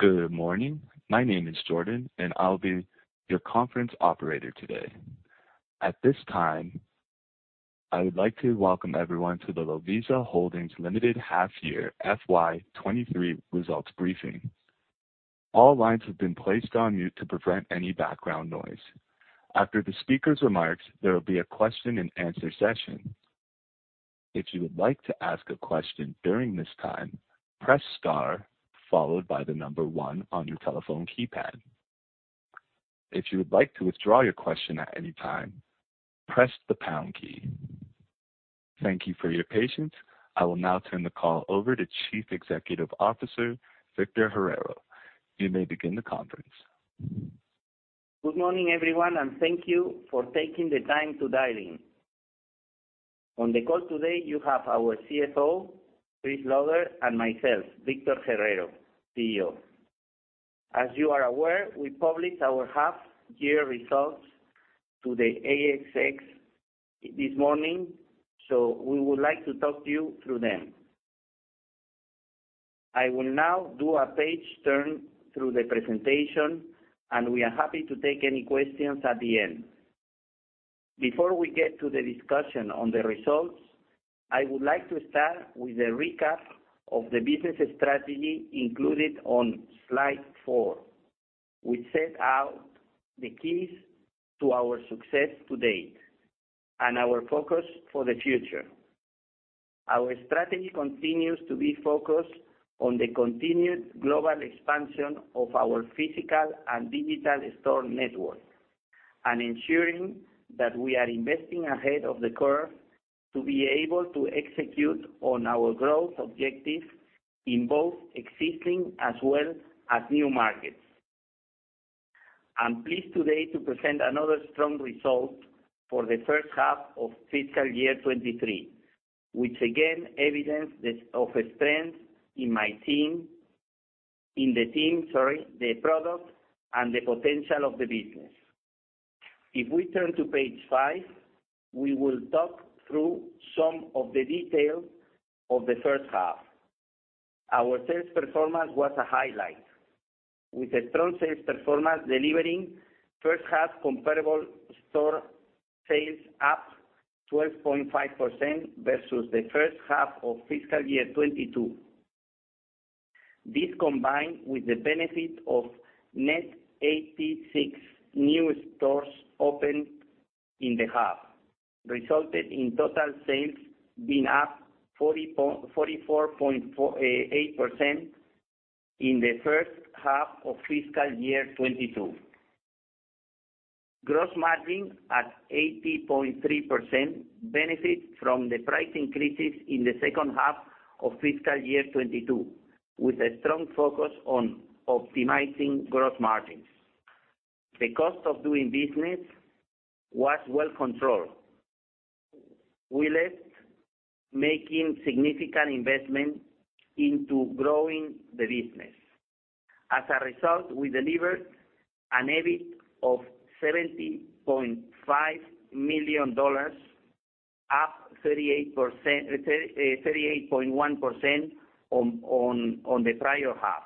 Good morning. My name is Jordan, and I'll be your conference operator today. At this time, I would like to welcome everyone to the Lovisa Holdings Limited Half Year FY 2023 results briefing. All lines have been placed on mute to prevent any background noise. After the speaker's remarks, there will be a question-and-answer session. If you would like to ask a question during this time, press Star followed by the number one on your telephone keypad. If you would like to withdraw your question at any time, press the pound key. Thank you for your patience. I will now turn the call over to Chief Executive Officer, Victor Herrero. You may begin the conference. Good morning, everyone, and thank you for taking the time to dial in. On the call today, you have our CFO, Chris Lauder, and myself, Victor Herrero, CEO. As you are aware, we published our half year results to the ASX this morning, we would like to talk you through them. I will now do a page turn through the presentation, we are happy to take any questions at the end. Before we get to the discussion on the results, I would like to start with a recap of the business strategy included on slide four, which set out the keys to our success to date and our focus for the future. Our strategy continues to be focused on the continued global expansion of our physical and digital store network and ensuring that we are investing ahead of the curve to be able to execute on our growth objective in both existing as well as new markets. I'm pleased today to present another strong result for the first half of fiscal year 23, which again evidenced of strength in the team, sorry, the product, and the potential of the business. If we turn to page 5, we will talk through some of the details of the first half. Our sales performance was a highlight, with a strong sales performance delivering first half comparable store sales up 12.5% versus the first half of fiscal year 2022. This, combined with the benefit of net 86 new stores opened in the half, resulted in total sales being up 44.8% in the first half of fiscal year 2022. Gross margin at 80.3% benefit from the price increases in the second half of fiscal year 2022, with a strong focus on optimizing gross margins. The cost of doing business was well controlled. We left making significant investment into growing the business. As a result, we delivered an EBIT of 70 million dollars, up 38%, 38.1% on the prior half.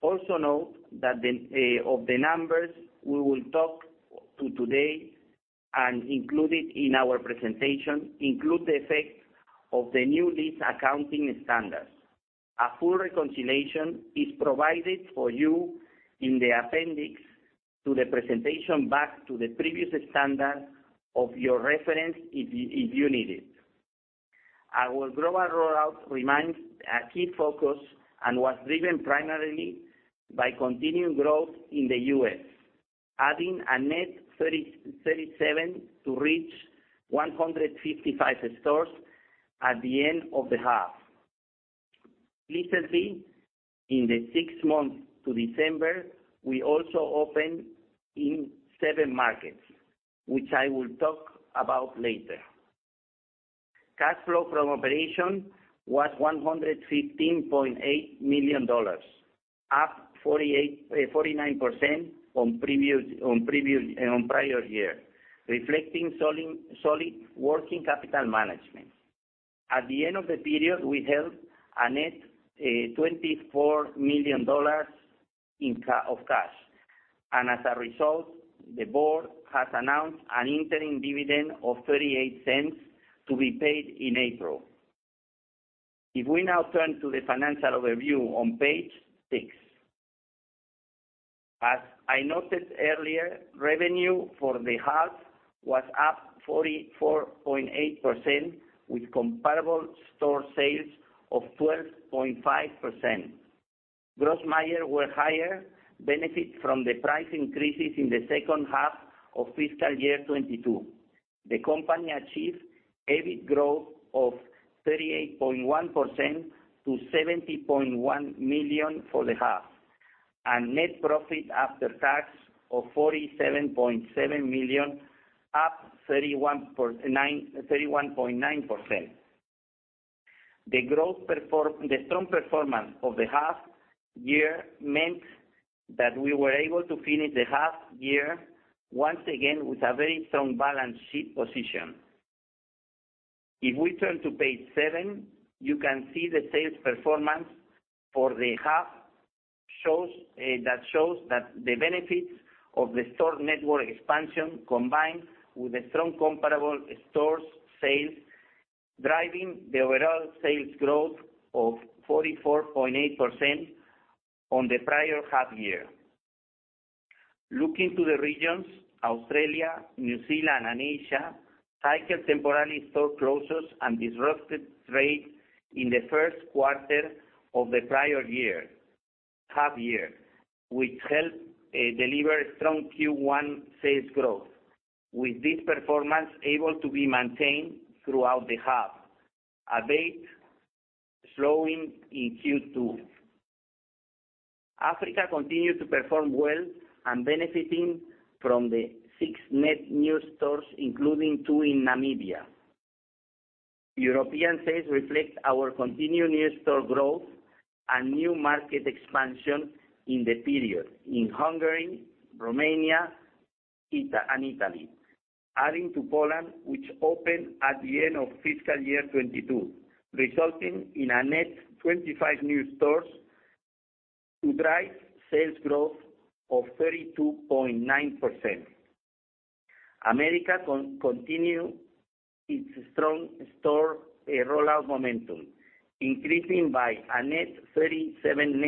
Also note that the of the numbers we will talk to today and included in our presentation include the effect of the new lease accounting standard. A full reconciliation is provided for you in the appendix to the presentation back to the previous standard of your reference if you need it. Our global rollout remains a key focus and was driven primarily by continued growth in the U.S., adding a net 37 to reach 155 stores at the end of the half. Recently, in the six months to December, we also opened in seven markets, which I will talk about later. Cash flow from operation was 115.8 million dollars, up 49% on prior year, reflecting solid working capital management. At the end of the period, we held a net 24 million dollars of cash, and as a result, the board has announced an interim dividend of 0.38 to be paid in April. We now turn to the financial overview on page six. As I noted earlier, revenue for the half was up 44.8% with comparable store sales of 12.5%. Gross margin were higher benefit from the price increases in the second half of fiscal year 2022. The company achieved EBIT growth of 38.1% to 70.1 million for the half and net profit after tax of 47.7 million, up 31.9%. The growth. The strong performance of the half year meant that we were able to finish the half year once again with a very strong balance sheet position. We turn to page seven, you can see the sales performance for the half shows that the benefits of the store network expansion, combined with the strong comparable stores sales, driving the overall sales growth of 44.8% on the prior half year. Looking to the regions, Australia, New Zealand and Asia, cycled temporary store closures and disrupted trade in the first quarter of the prior year, half year, which helped deliver strong Q1 sales growth, with this performance able to be maintained throughout the half, a bit slowing in Q2. Africa continued to perform well and benefiting from the six net new stores, including two in Namibia. European sales reflect our continued new store growth and new market expansion in the period in Hungary, Romania, and Italy, adding to Poland, which opened at the end of fiscal year 2022, resulting in a net 25 new stores to drive sales growth of 32.9%. America continue its strong store rollout momentum, increasing by a net 37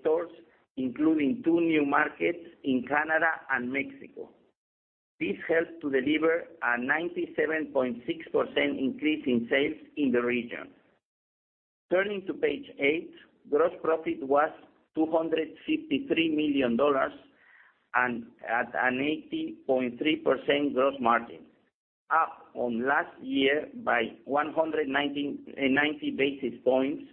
stores, including two new markets in Canada and Mexico. This helped to deliver a 97.6% increase in sales in the region. Turning to page 8, gross profit was 253 million dollars and at an 80.3% gross margin, up on last year by 90 basis points,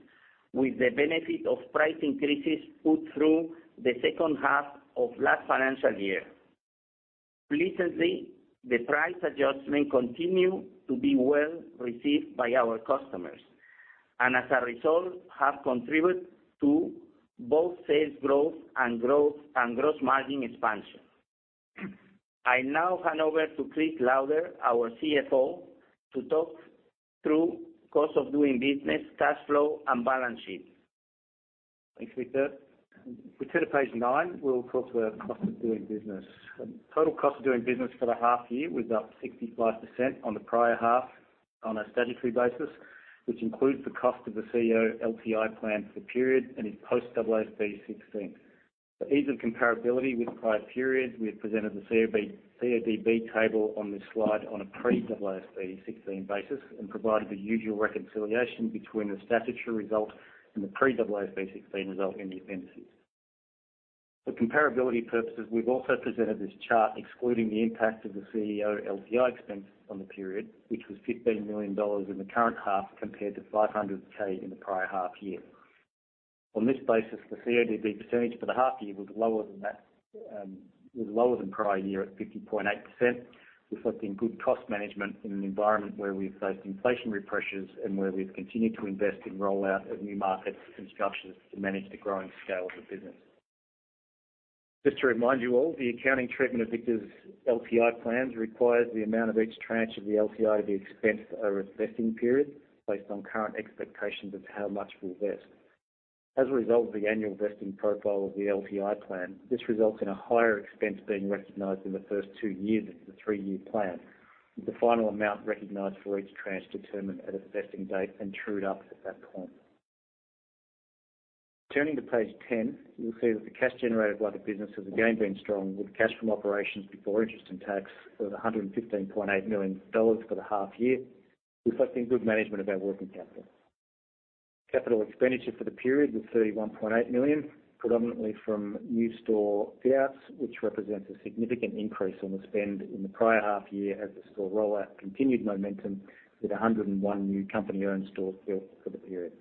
with the benefit of price increases put through the second half of last financial year. Pleasantly, the price adjustment continue to be well received by our customers. As a result, have contributed to both sales growth and growth, and gross margin expansion. I now hand over to Chris Lauder, our CFO, to talk through cost of doing business, cash flow and balance sheet. Thanks, Victor. If we turn to page nine, we'll talk about cost of doing business. Total cost of doing business for the half year was up 60%+ on the prior half on a statutory basis, which includes the cost of the CEO LTI plan for the period and is post AASB 16. For ease of comparability with prior periods, we have presented the COB, CODB table on this slide on a pre-AASB 16 basis and provided the usual reconciliation between the statutory result and the pre-AASB 16 result in the appendices. For comparability purposes, we've also presented this chart excluding the impact of the CEO LTI expense on the period, which was 15 million dollars in the current half, compared to 500K in the prior half year. On this basis, the CODB percentage for the half year was lower than that, was lower than prior year at 50.8%, reflecting good cost management in an environment where we've faced inflationary pressures and where we've continued to invest in rollout of new markets and structures to manage the growing scale of the business. Just to remind you all, the accounting treatment of Victor's LTI plans requires the amount of each tranche of the LTI to be expensed over its vesting period, based on current expectations of how much will vest. As a result of the annual vesting profile of the LTI plan, this results in a higher expense being recognized in the first two years of the three-year plan, with the final amount recognized for each tranche determined at its vesting date and trued up at that point. Turning to page 10, you'll see that the cash generated by the business has again been strong, with cash from operations before interest and tax of 115.8 million dollars for the half year, reflecting good management of our working capital. Capital expenditure for the period was 31.8 million, predominantly from new store fit-outs, which represents a significant increase on the spend in the prior half year as the store rollout continued momentum with 101 new company-owned stores fit for the period.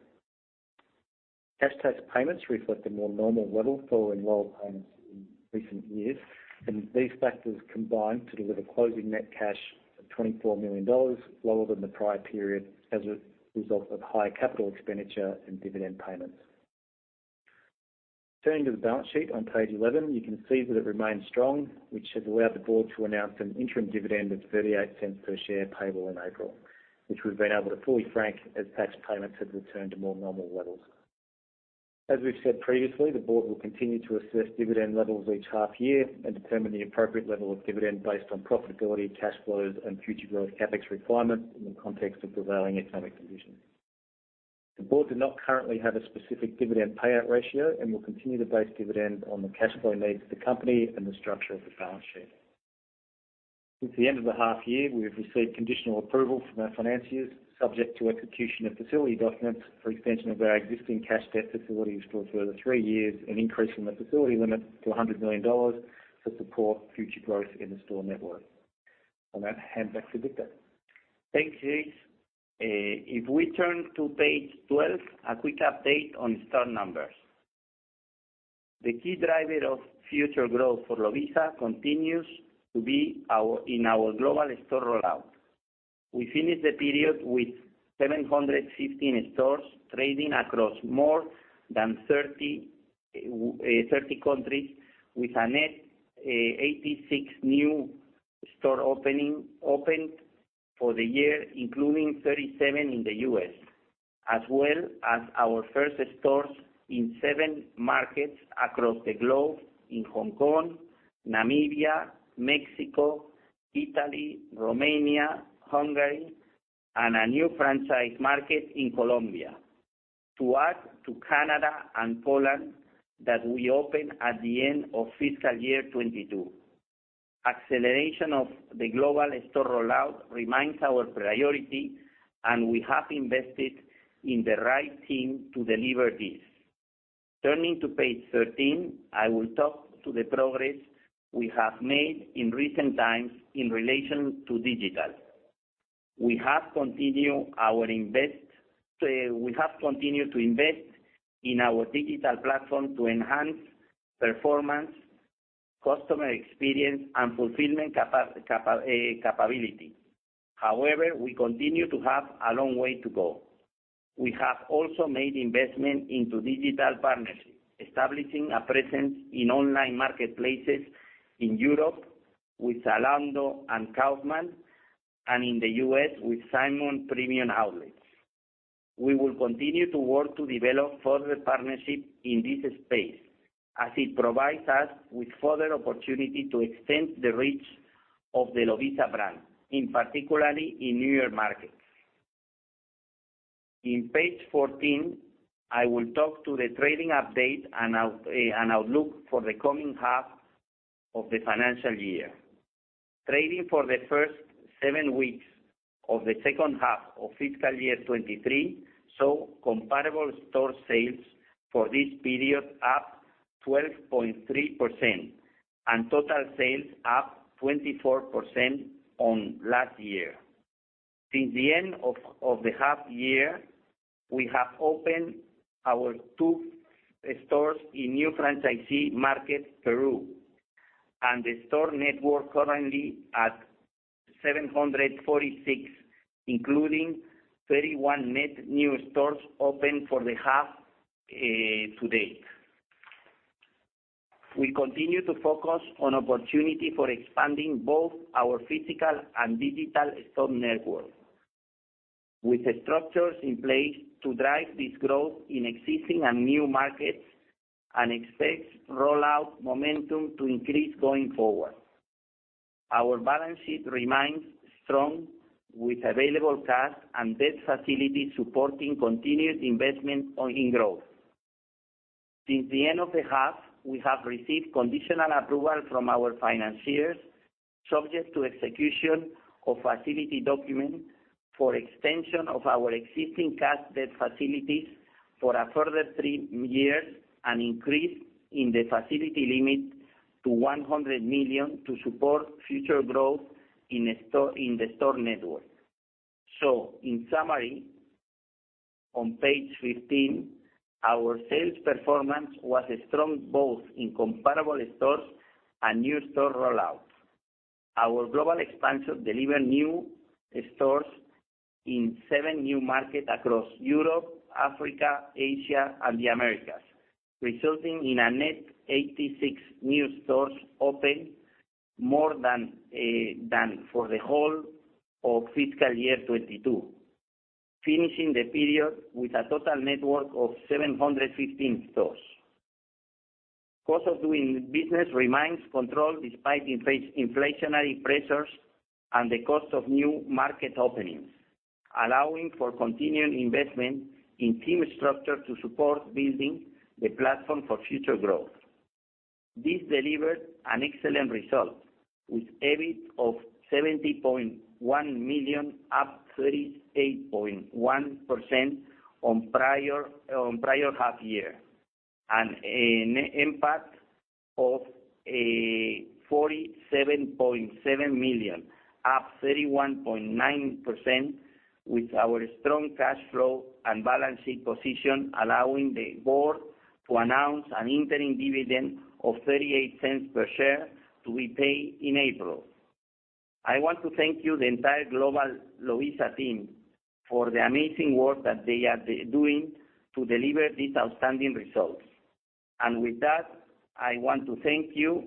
Cash tax payments reflect a more normal level following lower payments in recent years. These factors combined to deliver closing net cash of 24 million dollars, lower than the prior period as a result of higher capital expenditure and dividend payments. Turning to the balance sheet on page 11, you can see that it remains strong, which has allowed the board to announce an interim dividend of 0.38 per share payable in April, which we've been able to fully frank as tax payments have returned to more normal levels. As we've said previously, the board will continue to assess dividend levels each half year and determine the appropriate level of dividend based on profitability, cash flows and future growth CapEx requirements in the context of prevailing economic conditions. The board do not currently have a specific dividend payout ratio and will continue to base dividend on the cash flow needs of the company and the structure of the balance sheet. Since the end of the half year, we have received conditional approval from our financiers, subject to execution of facility documents for extension of our existing cash debt facilities for a further three years, an increase in the facility limit to 100 million dollars to support future growth in the store network. Hand back to Victor. Thanks, Chris. If we turn to page 12, a quick update on store numbers. The key driver of future growth for Lovisa continues to be in our global store rollout. We finished the period with 715 stores trading across more than 30 countries with a net 86 new store opening opened for the year, including 37 in the U.S., as well as our first stores in seven markets across the globe in Hong Kong, Namibia, Mexico, Italy, Romania, Hungary, and a new franchise market in Colombia, to add to Canada and Poland that we opened at the end of fiscal year 2022. Acceleration of the global store rollout remains our priority. We have invested in the right team to deliver this. Turning to page 13, I will talk to the progress we have made in recent times in relation to digital. We have continued to invest in our digital platform to enhance performance, customer experience and fulfillment capability. We continue to have a long way to go. We have also made investment into digital partnerships, establishing a presence in online marketplaces in Europe with Zalando and Kaufland, and in the U.S. with Simon Premium Outlets. We will continue to work to develop further partnerships in this space as it provides us with further opportunity to extend the reach of the Lovisa brand, in particularly in newer markets. In page 14, I will talk to the trading update and outlook for the coming half of the financial year. Trading for the first seven weeks of the second half of fiscal year 2023 saw comparable store sales for this period up 12.3% and total sales up 24% on last year. Since the end of the half year, we have opened our two stores in new franchisee market, Peru, and the store network currently at 746, including 31 net new stores open for the half to date. We continue to focus on opportunity for expanding both our physical and digital store network, with structures in place to drive this growth in existing and new markets, and expect rollout momentum to increase going forward. Our balance sheet remains strong with available cash and debt facility supporting continued investment in growth. Since the end of the half, we have received conditional approval from our financiers, subject to execution of facility document for extension of our existing cash debt facilities for a further three years, an increase in the facility limit to 100 million to support future growth in store, in the store network. In summary, on page 15, our sales performance was strong both in comparable stores and new store rollouts. Our global expansion delivered new stores in seven new markets across Europe, Africa, Asia, and the Americas, resulting in a net 86 new stores opened, more than than for the whole of fiscal year 2022, finishing the period with a total network of 715 stores. Cost of doing business remains controlled despite inflationary pressures and the cost of new market openings, allowing for continued investment in team structure to support building the platform for future growth. This delivered an excellent result, with EBIT of 70.1 million, up 38.1% on prior half year, and a net NPAT of AUD 47.7 million, up 31.9%, with our strong cash flow and balance sheet position allowing the board to announce an interim dividend of 0.38 per share to be paid in April. I want to thank you, the entire global Lovisa team, for the amazing work that they are doing to deliver these outstanding results. With that, I want to thank you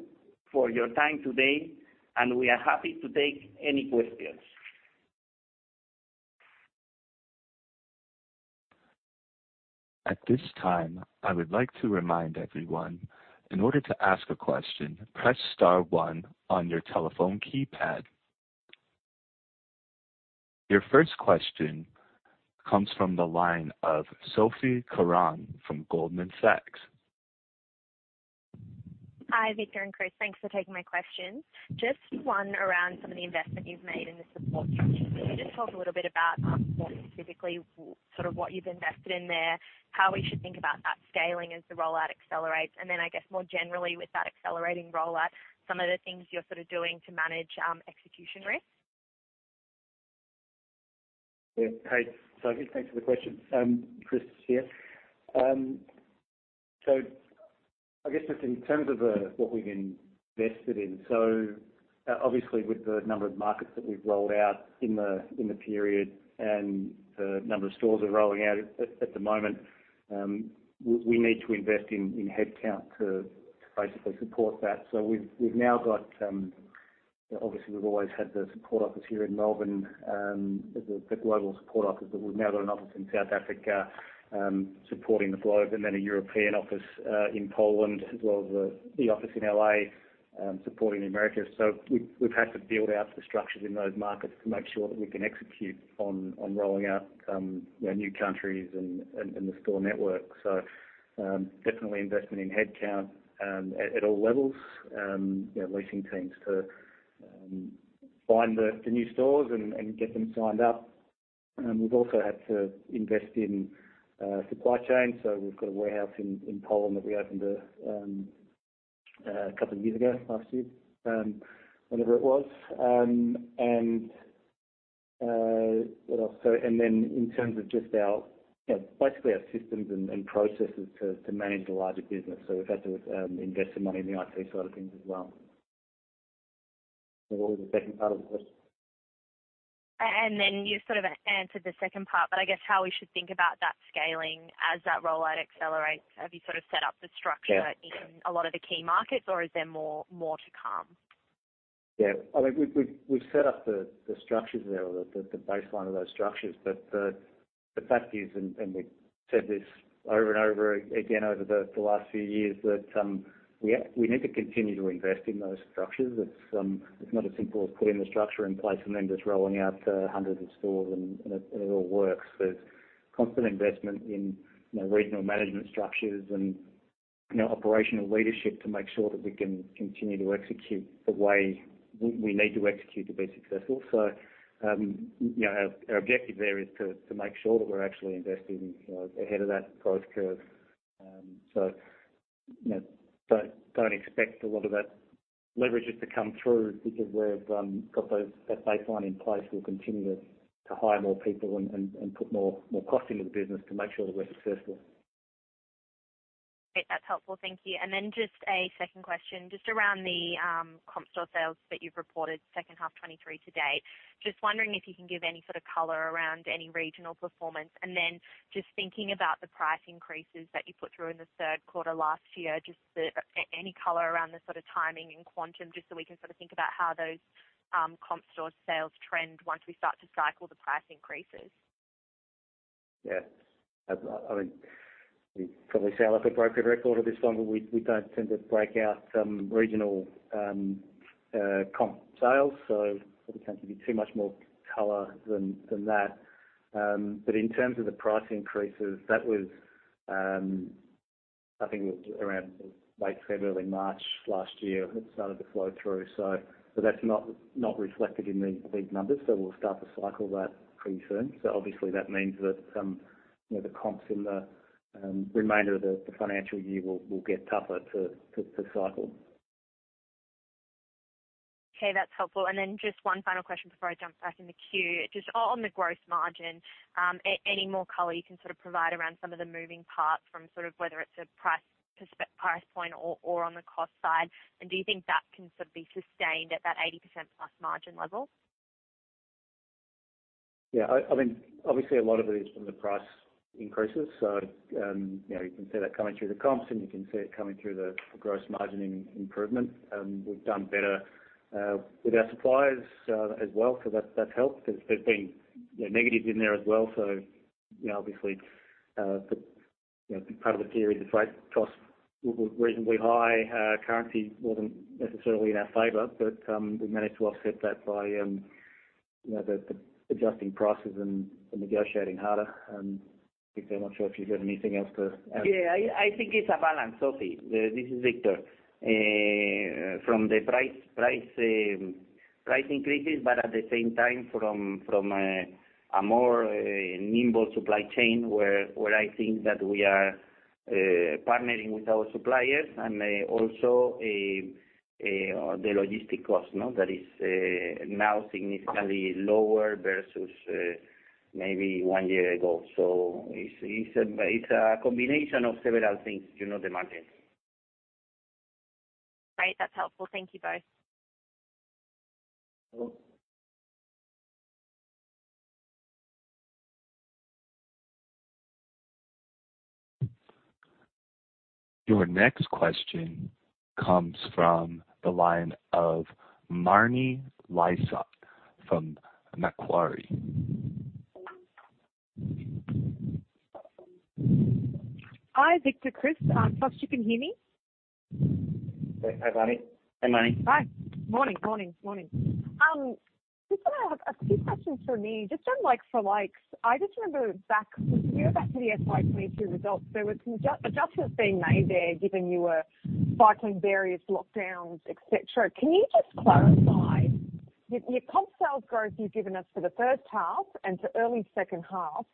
for your time today, and we are happy to take any questions. At this time, I would like to remind everyone, in order to ask a question, press star one on your telephone keypad. Your first question comes from the line of Sophie Carran from Goldman Sachs. Hi, Victor and Chris. Thanks for taking my questions. Just one around some of the investment you've made in the support structure. Can you just talk a little bit about more specifically, sort of what you've invested in there, how we should think about that scaling as the rollout accelerates, and then I guess more generally with that accelerating rollout, some of the things you're sort of doing to manage execution risk? Yeah. Hey, Sophie. Thanks for the question. Chris here. I guess just in terms of what we've invested in, so Obviously, with the number of markets that we've rolled out in the period and the number of stores we're rolling out at the moment, we need to invest in headcount to basically support that. We've now got... Obviously we've always had the support office here in Melbourne, the global support office, but we've now got an office in South Africa, supporting the globe and then a European office in Poland, as well as the office in L.A., supporting the Americas. We've had to build out the structures in those markets to make sure that we can execute on rolling out new countries and the store network. Definitely investment in headcount at all levels, leasing teams to find the new stores and get them signed up. We've also had to invest in supply chain. We've got a warehouse in Poland that we opened a couple of years ago, last year, whenever it was. What else? In terms of just our systems and processes to manage the larger business. We've had to invest some money in the IT side of things as well. What was the second part of the question? You sort of answered the second part, but I guess how we should think about that scaling as that rollout accelerates. Have you sort of set up the structure? Yeah. in a lot of the key markets or is there more, more to come? Yeah. I think we've set up the structures there or the baseline of those structures. The fact is, and we've said this over and over again over the last few years, that we need to continue to invest in those structures. It's not as simple as putting the structure in place and then just rolling out hundreds of stores and it all works. There's constant investment in, you know, regional management structures and, you know, operational leadership to make sure that we can continue to execute the way we need to execute to be successful. You know, our objective there is to make sure that we're actually investing, you know, ahead of that growth curve. You know, don't expect a lot of that leverage just to come through because we've got that baseline in place. We'll continue to hire more people and put more cost into the business to make sure that we're successful. That's helpful. Thank you. Just a second question, just around the comp store sales that you've reported second half 2023 to date. Just wondering if you can give any sort of color around any regional performance? Just thinking about the price increases that you put through in the third quarter last year, just any color around the sort of timing and quantum, just so we can sort of think about how those comp store sales trend once we start to cycle the price increases? Yeah. I mean, we probably sound like a broken record at this point, but we don't tend to break out regional comp sales. Can't give you too much more color than that. But in terms of the price increases, that was, I think it was around late February, March last year, it started to flow through. That's not reflected in these numbers. We'll start to cycle that pretty soon. Obviously that means that, you know, the comps in the remainder of the financial year will get tougher to cycle. Okay, that's helpful. Then just one final question before I jump back in the queue. Just on the gross margin, any more color you can sort of provide around some of the moving parts from whether it's a price point or on the cost side? Do you think that can sort of be sustained at that 80%+ margin level? I mean, obviously a lot of it is from the price increases. You know, you can see that coming through the comps, and you can see it coming through the gross margin improvement. We've done better with our suppliers as well. That's helped. There's been negatives in there as well. You know, obviously, you know, part of the period, the freight costs were reasonably high. Currency wasn't necessarily in our favor, but we managed to offset that by, you know, the adjusting prices and negotiating harder. Victor, I'm not sure if you've got anything else to add. Yeah, I think it's a balance, Sophie. This is Victor. From the price increases, but at the same time from a more nimble supply chain where I think that we are partnering with our suppliers and also the logistic cost, no? That is now significantly lower versus maybe one year ago. It's a combination of several things, you know, the margin. Great. That's helpful. Thank you both. Welcome. Your next question comes from the line of Marni Lysaght from Macquarie. Hi, Victor, Chris. Hope you can hear me? Hi, Marni. Hi, Marni. Hi. Morning, morning. Just wanna have a few questions for me. Just on like-for-likes, I just remember back, a year back for the FY 2022 results, there was some adjustments being made there given you were cycling various lockdowns, etc. Can you just clarify, the comp sales growth you've given us for the first half and to early second half,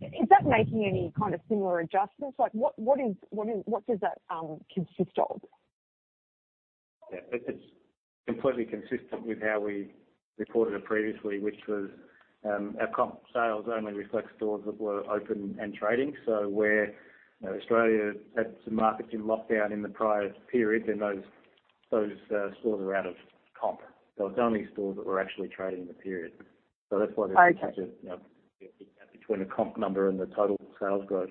is that making any kind of similar adjustments? Like, what is, what does that consist of? It's completely consistent with how we reported it previously, which was, our comp sales only reflects stores that were open and trading. Where, you know, Australia had some markets in lockdown in the prior period, then those stores are out of comp. It's only stores that were actually trading in the period. Okay. That's why there's such a, you know, between a comp number and the total sales growth,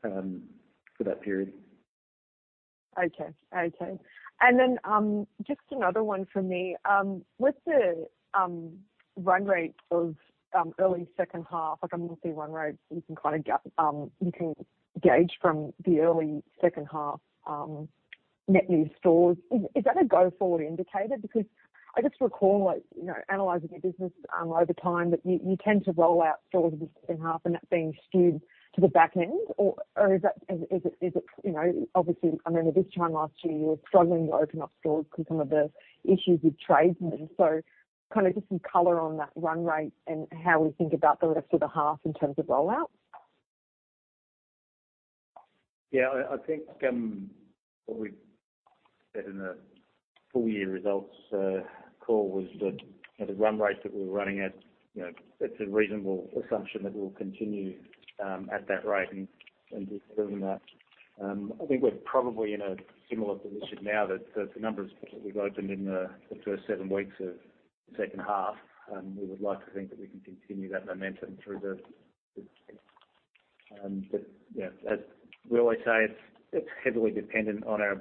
for that period. Okay. Okay. Just another one for me. What's the run rate of early second half? Like a monthly run rate you can kind of you can gauge from the early second half net new stores. Is that a go-forward indicator? Because I just recall, like, you know, analyzing your business over time, that you tend to roll out stores in the second half and that being skewed to the back end. Is it, you know, obviously, I remember this time last year, you were struggling to open up stores because some of the issues with trades and so. Kind of just some color on that run rate and how we think about the rest of the half in terms of rollouts. Yeah, I think what we said in the full-year results call was that, you know, the run rate that we're running at, you know, it's a reasonable assumption that we'll continue at that rate and just building that. I think we're probably in a similar position now that the numbers we've opened in the first seven weeks of second half, we would like to think that we can continue that momentum through the, yeah. As we always say, it's heavily dependent on our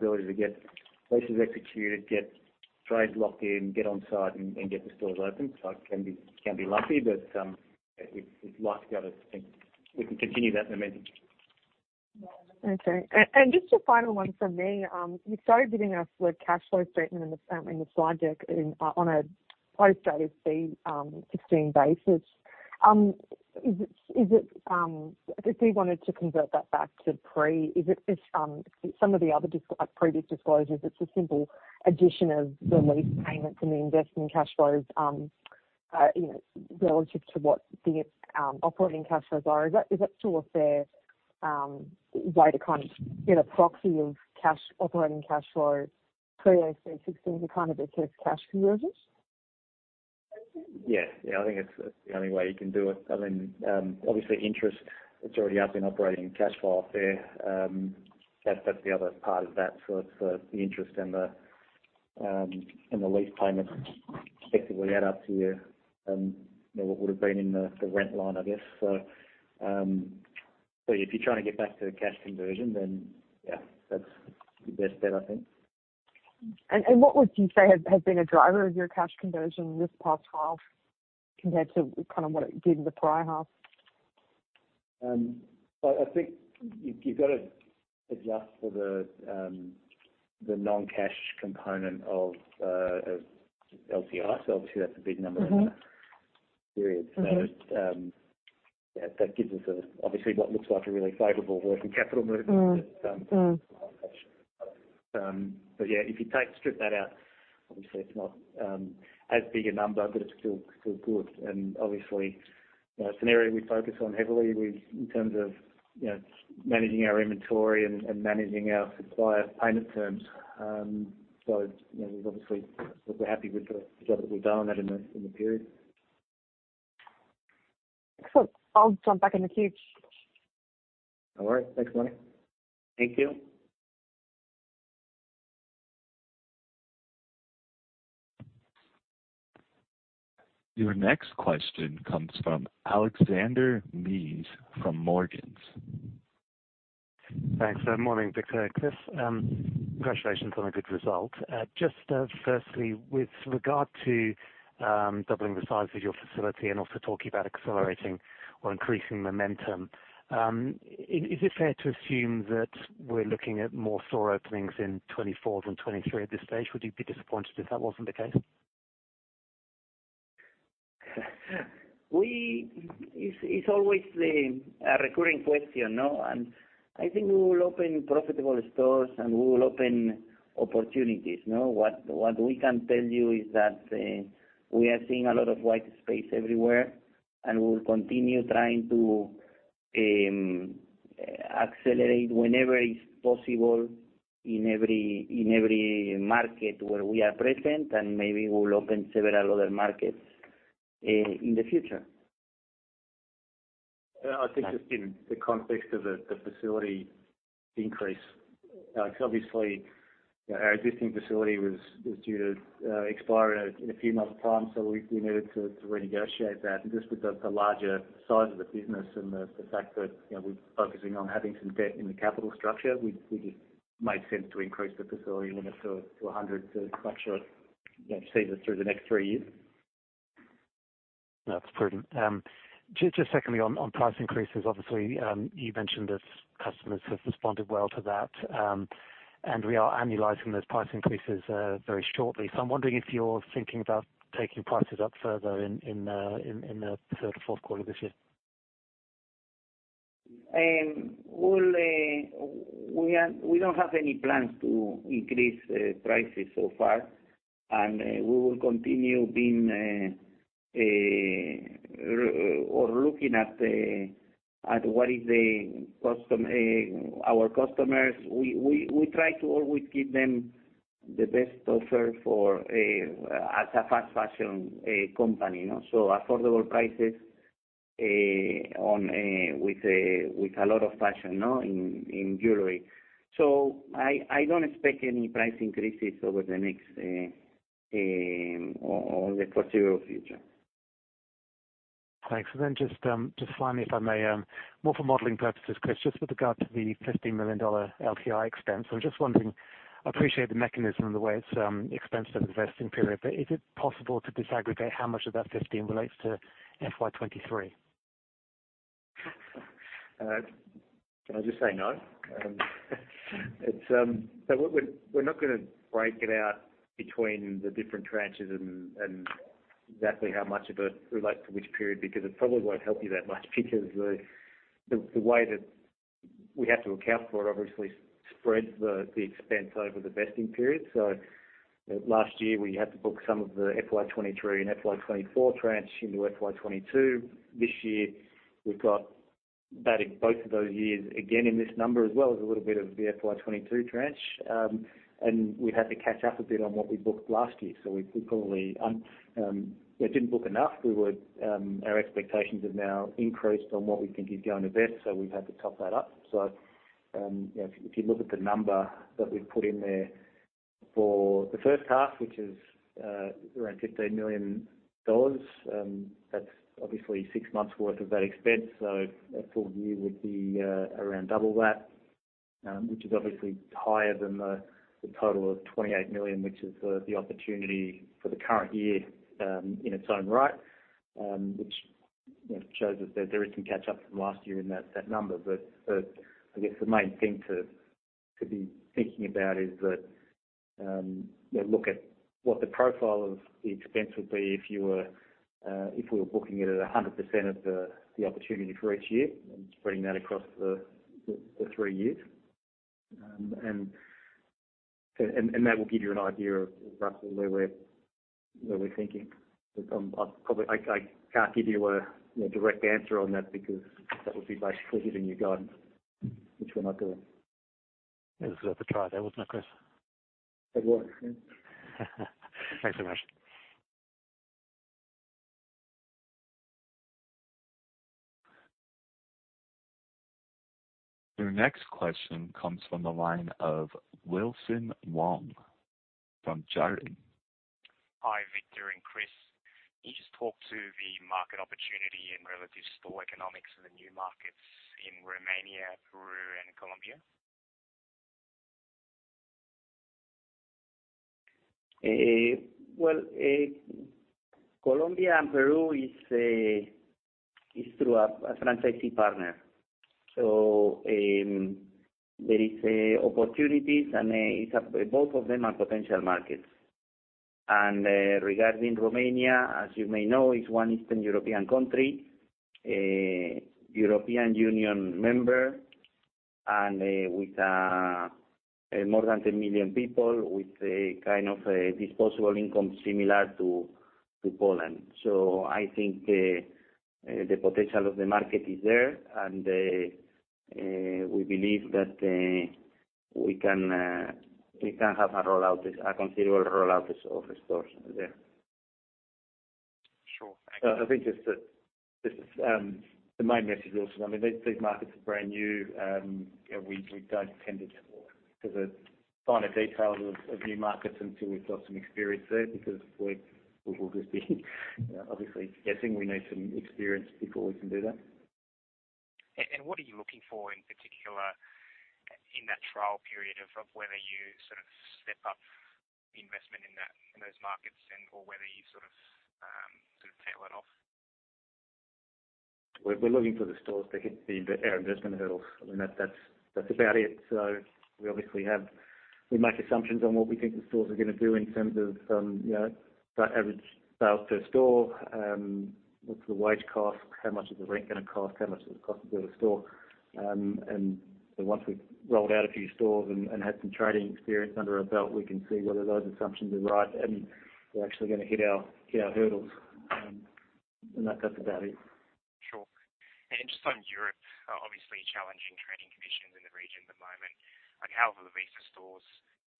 ability to get leases executed, get trades locked in, get on site and get the stores open. It can be lucky, but we'd like to be able to think we can continue that momentum. Okay. Just a final one from me. You started giving us the cash flow statement in the slide deck on a post-AASB 16 basis. Is it... If we wanted to convert that back to pre, is it just some of the other previous disclosures, it's a simple addition of the lease payments and the investment cash flows, you know, relative to what the operating cash flows are. Is that still a fair way to kind of get a proxy of operating cash flow pre-AASB 16 to kind of assess cash conversions? Yeah. Yeah, I think it's the only way you can do it. I mean, obviously interest, it's already up in operating cash flow up there. That's, that's the other part of that. It's the interest and the, and the lease payments effectively add up to, you know, what would've been in the rent line, I guess so. If you're trying to get back to the cash conversion, then yeah, that's the best bet, I think. What would you say has been a driver of your cash conversion this past half compared to kind of what it did in the prior half? I think you've gotta adjust for the non-cash component of LTI. Obviously that's a big number. Mm-hmm. In that period. Mm-hmm. Yeah, that gives us a obviously what looks like a really favorable working capital movement. Mm. Mm. Yeah, if you strip that out, obviously it's not as big a number, but it's still good. Obviously, you know, it's an area we focus on heavily. In terms of, you know, managing our inventory and managing our supplier payment terms. So, you know, we've obviously. We're happy with the job that we've done on that in the period. Excellent. I'll jump back in the queue. All right. Thanks, Marni. Thank you. Your next question comes from Alexander Mees from Morgans. Thanks. Morning, Victor and Chris. Congratulations on a good result. Just, firstly, with regard to doubling the size of your facility and also talking about accelerating or increasing momentum, is it fair to assume that we're looking at more store openings in 2024 than 2023 at this stage? Would you be disappointed if that wasn't the case? It's always the recurring question, no? I think we will open profitable stores, and we will open opportunities, no? What we can tell you is that we are seeing a lot of white space everywhere, and we'll continue trying to accelerate whenever is possible in every market where we are present, and maybe we'll open several other markets in the future. I think just in the context of the facility increase. 'Cause obviously, you know, our existing facility was due to expire in a few months' time, so we needed to renegotiate that. Just with the larger size of the business and the fact that, you know, we're focusing on having some debt in the capital structure, it just made sense to increase the facility limit to 100 to make sure it, you know, sees us through the next 3 years. That's prudent. just secondly on price increases. Obviously, you mentioned that customers have responded well to that. We are annualizing those price increases very shortly. I'm wondering if you're thinking about taking prices up further in the third or fourth quarter this year. We don't have any plans to increase prices so far. We will continue being or looking at our customers, we try to always give them the best offer for a fast fashion company, you know. Affordable prices with a lot of fashion, you know, in jewelry. I don't expect any price increases over the next or the foreseeable future. Thanks. Just finally, if I may, more for modeling purposes, Chris, just with regard to the 15 million dollar LTI expense. I'm just wondering, I appreciate the mechanism and the way it's expense of investing period, but is it possible to disaggregate how much of that 15 relates to FY 2023? Can I just say no? We're not gonna break it out between the different tranches and exactly how much of it relates to which period, because it probably won't help you that much because the way that we have to account for it obviously spreads the expense over the vesting period. Last year we had to book some of the FY 2023 and FY 2024 tranche into FY 2022. This year we've got that in both of those years, again in this number, as well as a little bit of the FY 2022 tranche. We had to catch up a bit on what we booked last year, so we probably, you know, didn't book enough. We would, our expectations have now increased on what we think is going to vest, so we've had to top that up. If you look at the number that we've put in there for the first half, which is around 15 million dollars, that's obviously six months' worth of that expense. A full year would be around double that, which is obviously higher than the total of 28 million, which is the opportunity for the current year, in its own right, which, you know, shows that there is some catch-up from last year in that number. I guess the main thing to be thinking about is that, you know, look at what the profile of the expense would be if you were, if we were booking it at 100% of the opportunity for each year and spreading that across the three years. That will give you an idea of roughly where we're thinking. I can't give you a, you know, direct answer on that because that would be basically giving you guidance, which we're not doing. It was worth a try there, wasn't it, Chris? It was. Thanks so much. The next question comes from the line of Wilson Wong from Jarden. Hi, Victor and Chris. Can you just talk to the market opportunity and relative store economics in the new markets in Romania, Peru and Colombia? Well, Colombia and Peru is through a franchisee partner. There is opportunities and both of them are potential markets. Regarding Romania, as you may know, is one Eastern European country, European Union member and with more than 10 million people with a kind of a disposable income similar to Poland. I think the potential of the market is there, and we believe that we can have a rollout that's a considerable rollout of stores there. Sure. Thank you. I think just the main message also, I mean, these markets are brand new. We don't intend to get into the finer details of new markets until we've got some experience there because we will just be, you know, obviously guessing. We need some experience before we can do that. What are you looking for in particular in that trial period of whether you sort of step up investment in that, in those markets and/or whether you sort of tail it off? We're looking for the stores to hit our investment hurdles. I mean, that's about it. We make assumptions on what we think the stores are gonna do in terms of, you know, average sales per store, what's the wage cost, how much is the rent gonna cost, how much does it cost to build a store? Then once we've rolled out a few stores and had some trading experience under our belt, we can see whether those assumptions are right and we're actually gonna hit our hurdles. That's about it. Sure. Just on Europe, obviously challenging trading conditions in the region at the moment. Like, how have the Lovisa stores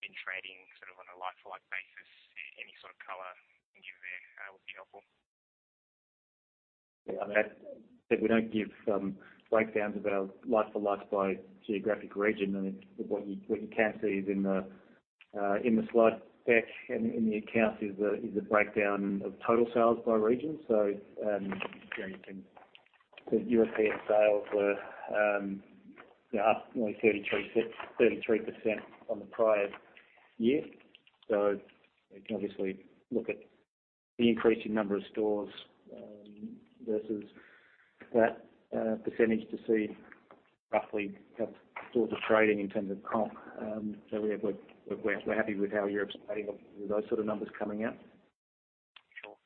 been trading sort of on a like-for-like basis? Any sort of color you can give there, would be helpful. As I said, we don't give breakdowns of our like-for-like by geographic region. What you can see is in the slide deck, in the accounts is the breakdown of total sales by region. You know, European sales were, you know, up nearly 33% on the prior year. You can obviously look at the increasing number of stores versus that percentage to see roughly how stores are trading in terms of comp. We're happy with how Europe's playing off with those sort of numbers coming out. Sure.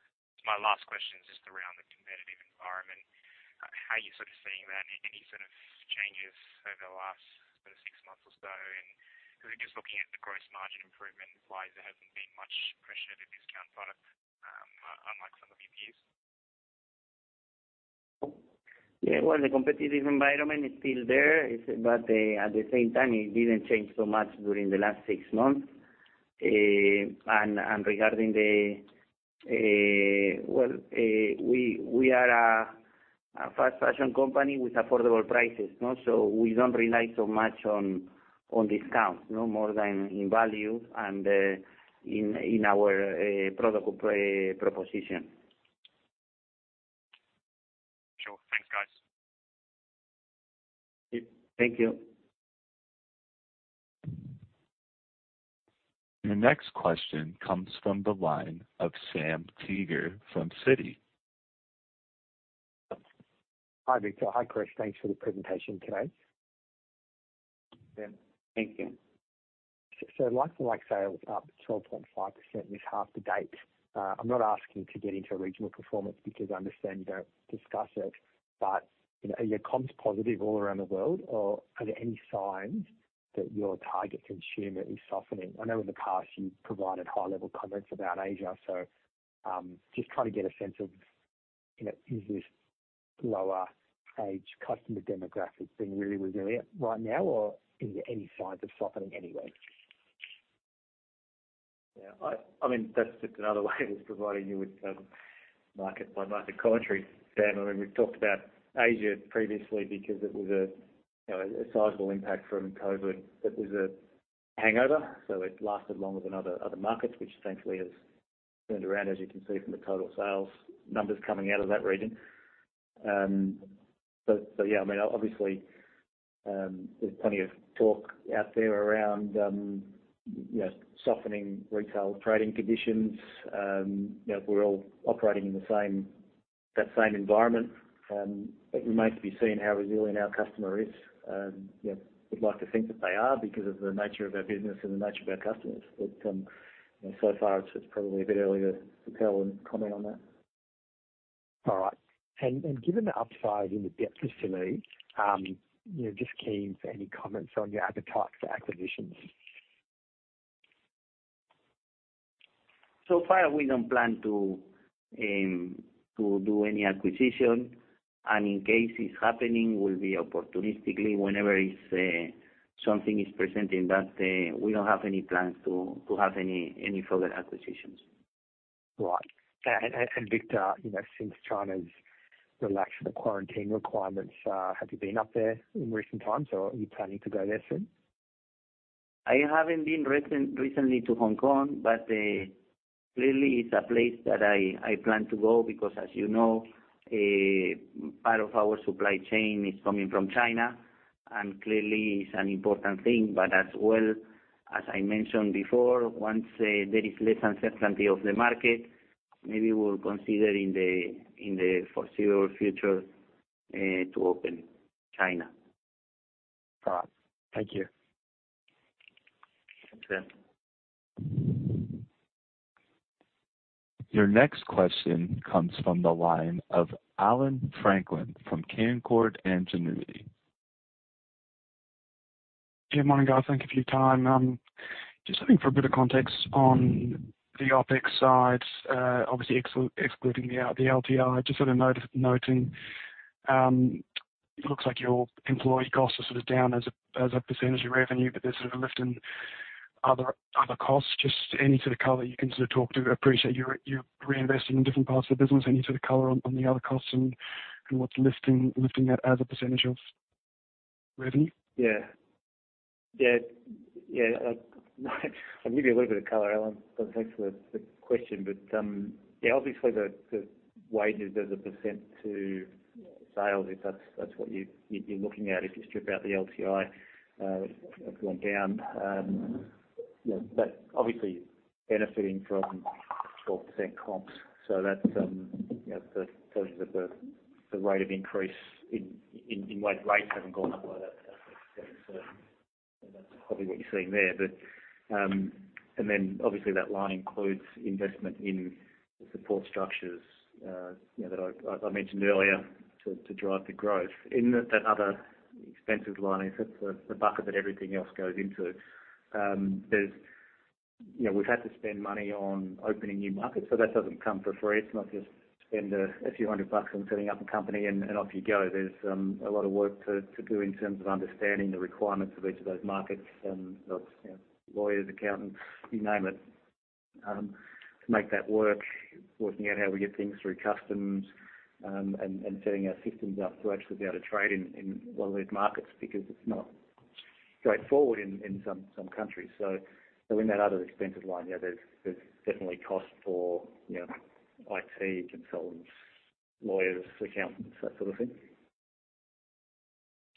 My last question is just around the competitive environment. How are you sort of seeing that? Over the last sort of six months or so. 'Cause we're just looking at the gross margin improvement, implies there hasn't been much pressure to discount product, unlike some of your peers. Well, the competitive environment is still there, it's. At the same time, it didn't change so much during the last six months. Regarding the, well, we are a fast fashion company with affordable prices, you know. We don't rely so much on discount, no more than in value and in our product proposition. Sure. Thanks, guys. Thank you. The next question comes from the line of Sam Teeger from Citi. Hi, Victor. Hi, Chris. Thanks for the presentation today. Yeah, thank you. Like-for-like sales up 12.5% this half the date. I'm not asking to get into regional performance because I understand you don't discuss it, but, you know, are your comps positive all around the world, or are there any signs that your target consumer is softening? I know in the past you provided high-level comments about Asia, so, just trying to get a sense of, you know, is this lower age customer demographic being really resilient right now, or are there any signs of softening anywhere? Yeah. I mean, that's just another way of providing you with market by market commentary. Sam, I mean, we've talked about Asia previously because it was a, you know, a sizable impact from COVID. There's a hangover, it lasted longer than other markets, which thankfully has turned around, as you can see from the total sales numbers coming out of that region. Yeah, I mean, obviously, there's plenty of talk out there around, you know, softening retail trading conditions. You know, we're all operating in that same environment. It remains to be seen how resilient our customer is. You know, we'd like to think that they are because of the nature of our business and the nature of our customers. You know, so far it's just probably a bit early to tell and comment on that. All right. Given the upside in the debt facility, you know, just keen for any comments on your appetite for acquisitions. Far, we don't plan to do any acquisition, and in case it's happening, will be opportunistically whenever it's something is presented that day. We don't have any plans to have any further acquisitions. Right. Victor, you know, since China's relaxed the quarantine requirements, have you been up there in recent times, or are you planning to go there soon? I haven't been recently to Hong Kong. Clearly it's a place that I plan to go because as you know, a part of our supply chain is coming from China. Clearly it's an important thing. As well, as I mentioned before, once there is less uncertainty of the market, maybe we'll consider in the foreseeable future to open China. Right. Thank you. Thanks, Sam. Your next question comes from the line of Allan Franklin from Canaccord Genuity. Morning, guys. Thank you for your time. Just looking for a bit of context on the OpEx side, obviously excluding the LTI. Just sort of noting, it looks like your employee costs are sort of down as a percentage of revenue, there's sort of a lift in other costs. Just any sort of color you can sort of talk to. Appreciate you're reinvesting in different parts of the business. Any sort of color on the other costs and what's lifting that as a percentage of revenue? Yeah. Yeah. Yeah. I'll give you a little bit of color, Allan. Thanks for the question. Yeah, obviously the wages as a % to sales, if that's what you're looking at, if you strip out the LTI, have gone down. You know, that's obviously benefiting from 12% comps. That's, you know, the total that the rate of increase in wage rates haven't gone up by that %, so that's probably what you're seeing there. And then obviously that line includes investment in the support structures, you know, that I mentioned earlier to drive the growth. In that other expenses line, that's the bucket that everything else goes into. You know, we've had to spend money on opening new markets, that doesn't come for free. It's not just spend a few hundred AUD on setting up a company and off you go. There's a lot of work to do in terms of understanding the requirements of each of those markets. You know, lawyers, accountants, you name it, to make that work. Working out how we get things through customs and setting our systems up to actually be able to trade in one of these markets because it's not straightforward in some countries. In that other expenses line, yeah, there's definitely cost for, you know, IT, consultants, lawyers, accountants, that sort of thing.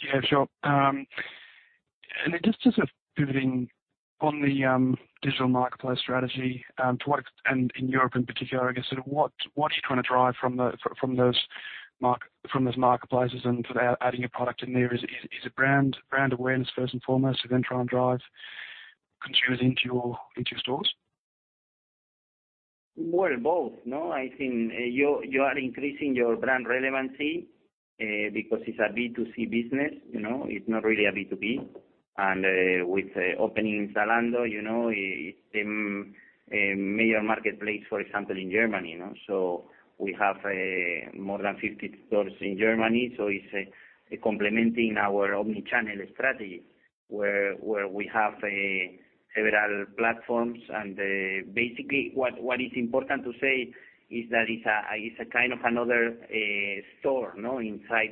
Yeah, sure. Just pivoting on the digital marketplace strategy, and in Europe in particular, I guess sort of what are you trying to drive from those marketplaces and sort of adding a product in there? Is it brand awareness first and foremost, and then try and drive consumers into your, into your stores? Well, both. No, I think, you are increasing your brand relevancy, because it's a B2C business, you know, it's not really a B2B. With the opening in Zalando, you know, it's in a major marketplace, for example, in Germany, you know. We have a more than 50 stores in Germany, so it's complementing our omni-channel strategy where we have several platforms. Basically what is important to say is that it's a kind of another store, you know, inside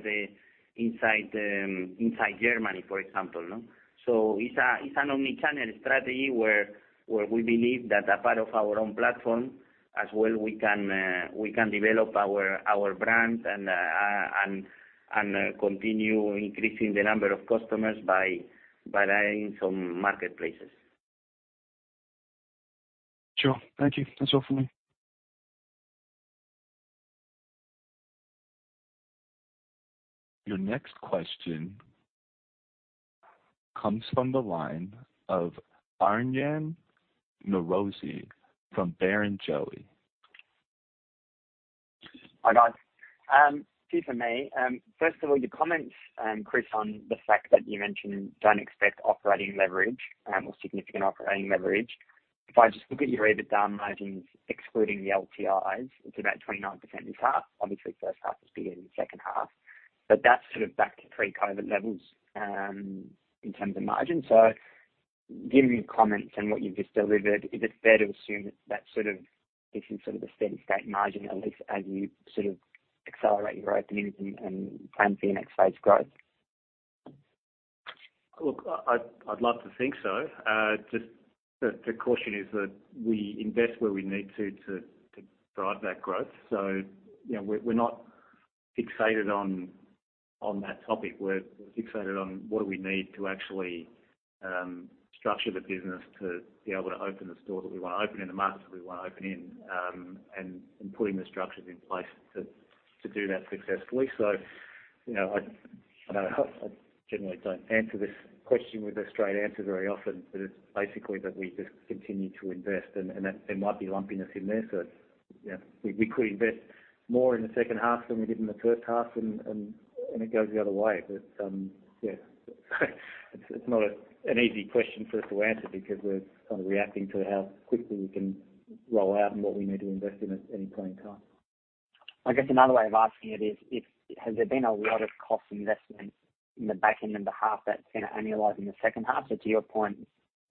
Germany, for example, you know. It's an omni-channel strategy where we believe that a part of our own platform as well, we can develop our brand and continue increasing the number of customers by buying some marketplaces. Sure. Thank you. That's all for me. Your next question comes from the line of Aryan Norozi from Barrenjoey. Hi, guys. Two for me. First of all, your comments, Chris, on the fact that you mentioned don't expect operating leverage, or significant operating leverage. If I just look at your EBITDA margins excluding the LTIs, it's about 29% this half. Obviously, first half is bigger than the second half, but that's sort of back to pre-COVID levels, in terms of margin. Given your comments and what you've just delivered, is it fair to assume that sort of this is sort of a steady-state margin, at least as you sort of accelerate your openings and plan for your next phase growth? Look, I'd love to think so. Just the caution is that we invest where we need to drive that growth. You know, we're not fixated on that topic. We're fixated on what do we need to actually structure the business to be able to open the stores that we wanna open in the markets that we wanna open in, and putting the structures in place to do that successfully. You know, I know I generally don't answer this question with a straight answer very often, but it's basically that we just continue to invest and that there might be lumpiness in there. You know, we could invest more in the second half than we did in the first half and it goes the other way. Yeah, it's not an easy question for us to answer because we're kind of reacting to how quickly we can roll out and what we need to invest in at any point in time. I guess another way of asking it is has there been a lot of cost investment in the back end in the half that's gonna annualize in the second half? To your point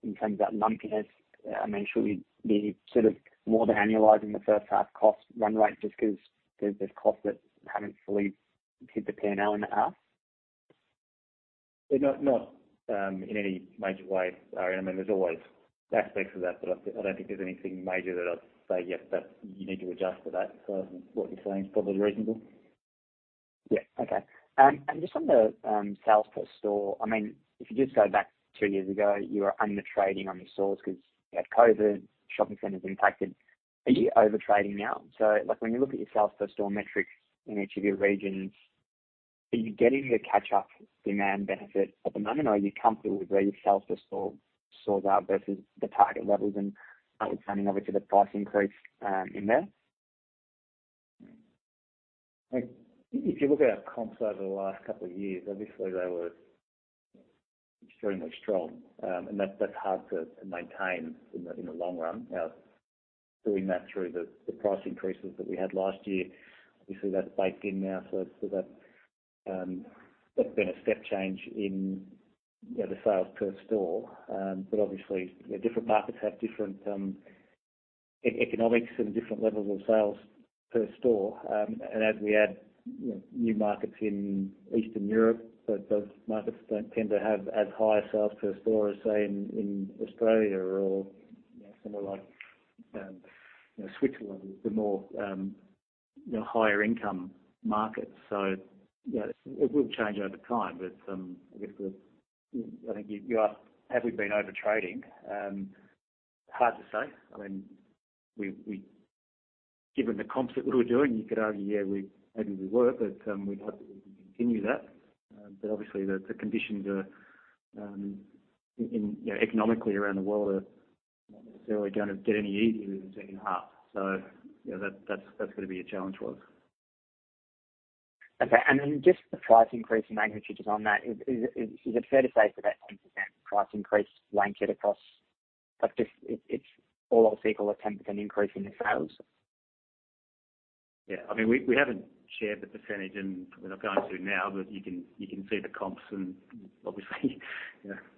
in terms of that lumpiness, I mean, should we be sort of more than annualizing the first half cost run rate just 'cause there's costs that haven't fully hit the P&L in that half? Not in any major way. I mean, there's always aspects of that, but I don't think there's anything major that I'd say yes, that you need to adjust for that. What you're saying is probably reasonable. Yeah. Okay. Just on the sales per store. I mean, if you just go back two years ago, you were under trading on your stores 'cause you had COVID, shopping centers impacted. Are you over-trading now? Like when you look at your sales per store metrics in each of your regions, are you getting the catch-up demand benefit at the moment or are you comfortable with where your sales per store sorts out versus the target levels and understanding obviously the price increase in there? If you look at our comps over the last couple of years, obviously they were extremely strong. That's hard to maintain in the long run. Now doing that through the price increases that we had last year, obviously that's baked in now. That's been a step change in, you know, the sales per store. Obviously different markets have different economics and different levels of sales per store. As we add, you know, new markets in Eastern Europe, those markets don't tend to have as high sales per store as say in Australia or, you know, somewhere like, you know, Switzerland with the more, you know, higher income markets. You know, it will change over time. I guess the... I think you asked have we been overtrading? Hard to say. I mean, we've given the comps that we were doing, you could argue, yeah, maybe we were, but we'd hope that we can continue that. Obviously the conditions are, in, you know, economically around the world are not necessarily gonna get any easier in the second half. You know, that's gonna be a challenge for us. Okay. Then just the price increase in magnitude is on that. Is it fair to say for that 10% price increase blanket across... Like if it's all else equal, a 10% increase in your sales? I mean, we haven't shared the percentage and we're not going to now, but you can see the comps and obviously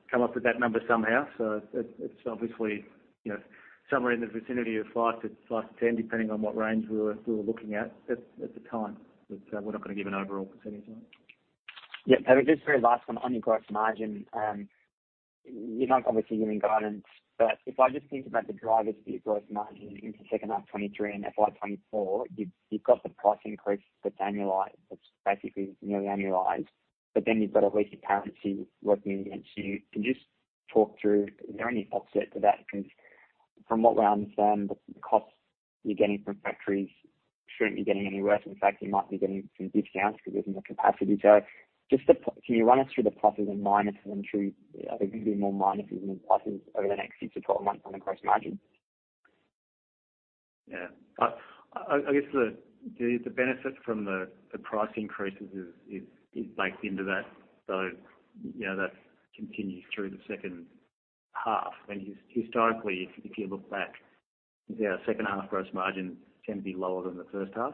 come up with that number somehow. It's obviously, you know, somewhere in the vicinity of 5%-10%, depending on what range we were looking at the time. We're not gonna give an overall percentage on it. Yeah. Just very last one on your gross margin. You're not obviously giving guidance, but if I just think about the drivers for your gross margin into second half 2023 and FY 2024, you've got the price increase that's annualized. That's basically nearly annualized. You've got a weaker currency working against you. Can you just talk through, is there any offset to that? From what I understand, the costs you're getting from factories, shouldn't be getting any worse. In fact, you might be getting some discounts because of the capacity. Just to can you run us through the pluses and minuses and choose, I think maybe more minuses than the pluses over the next 6-12 months on the gross margin? Yeah. I guess the benefit from the price increases is baked into that. You know, that continues through the second half. Historically, if you look back, you know, second half gross margin can be lower than the first half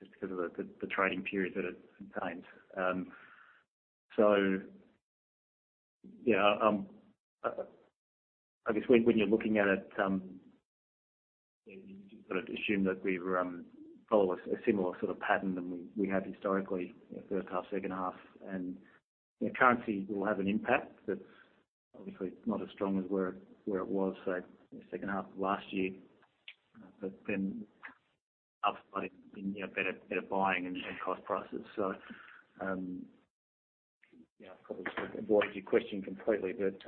just because of the trading period that it contains. You know, I guess when you're looking at it, you know, you've got to assume that we follow a similar sort of pattern than we have historically in the first half, second half. You know, currency will have an impact that's obviously not as strong as where it was, second half of last year. Upside in, you know, better buying and cost prices. You know, I've probably avoided your question completely. It's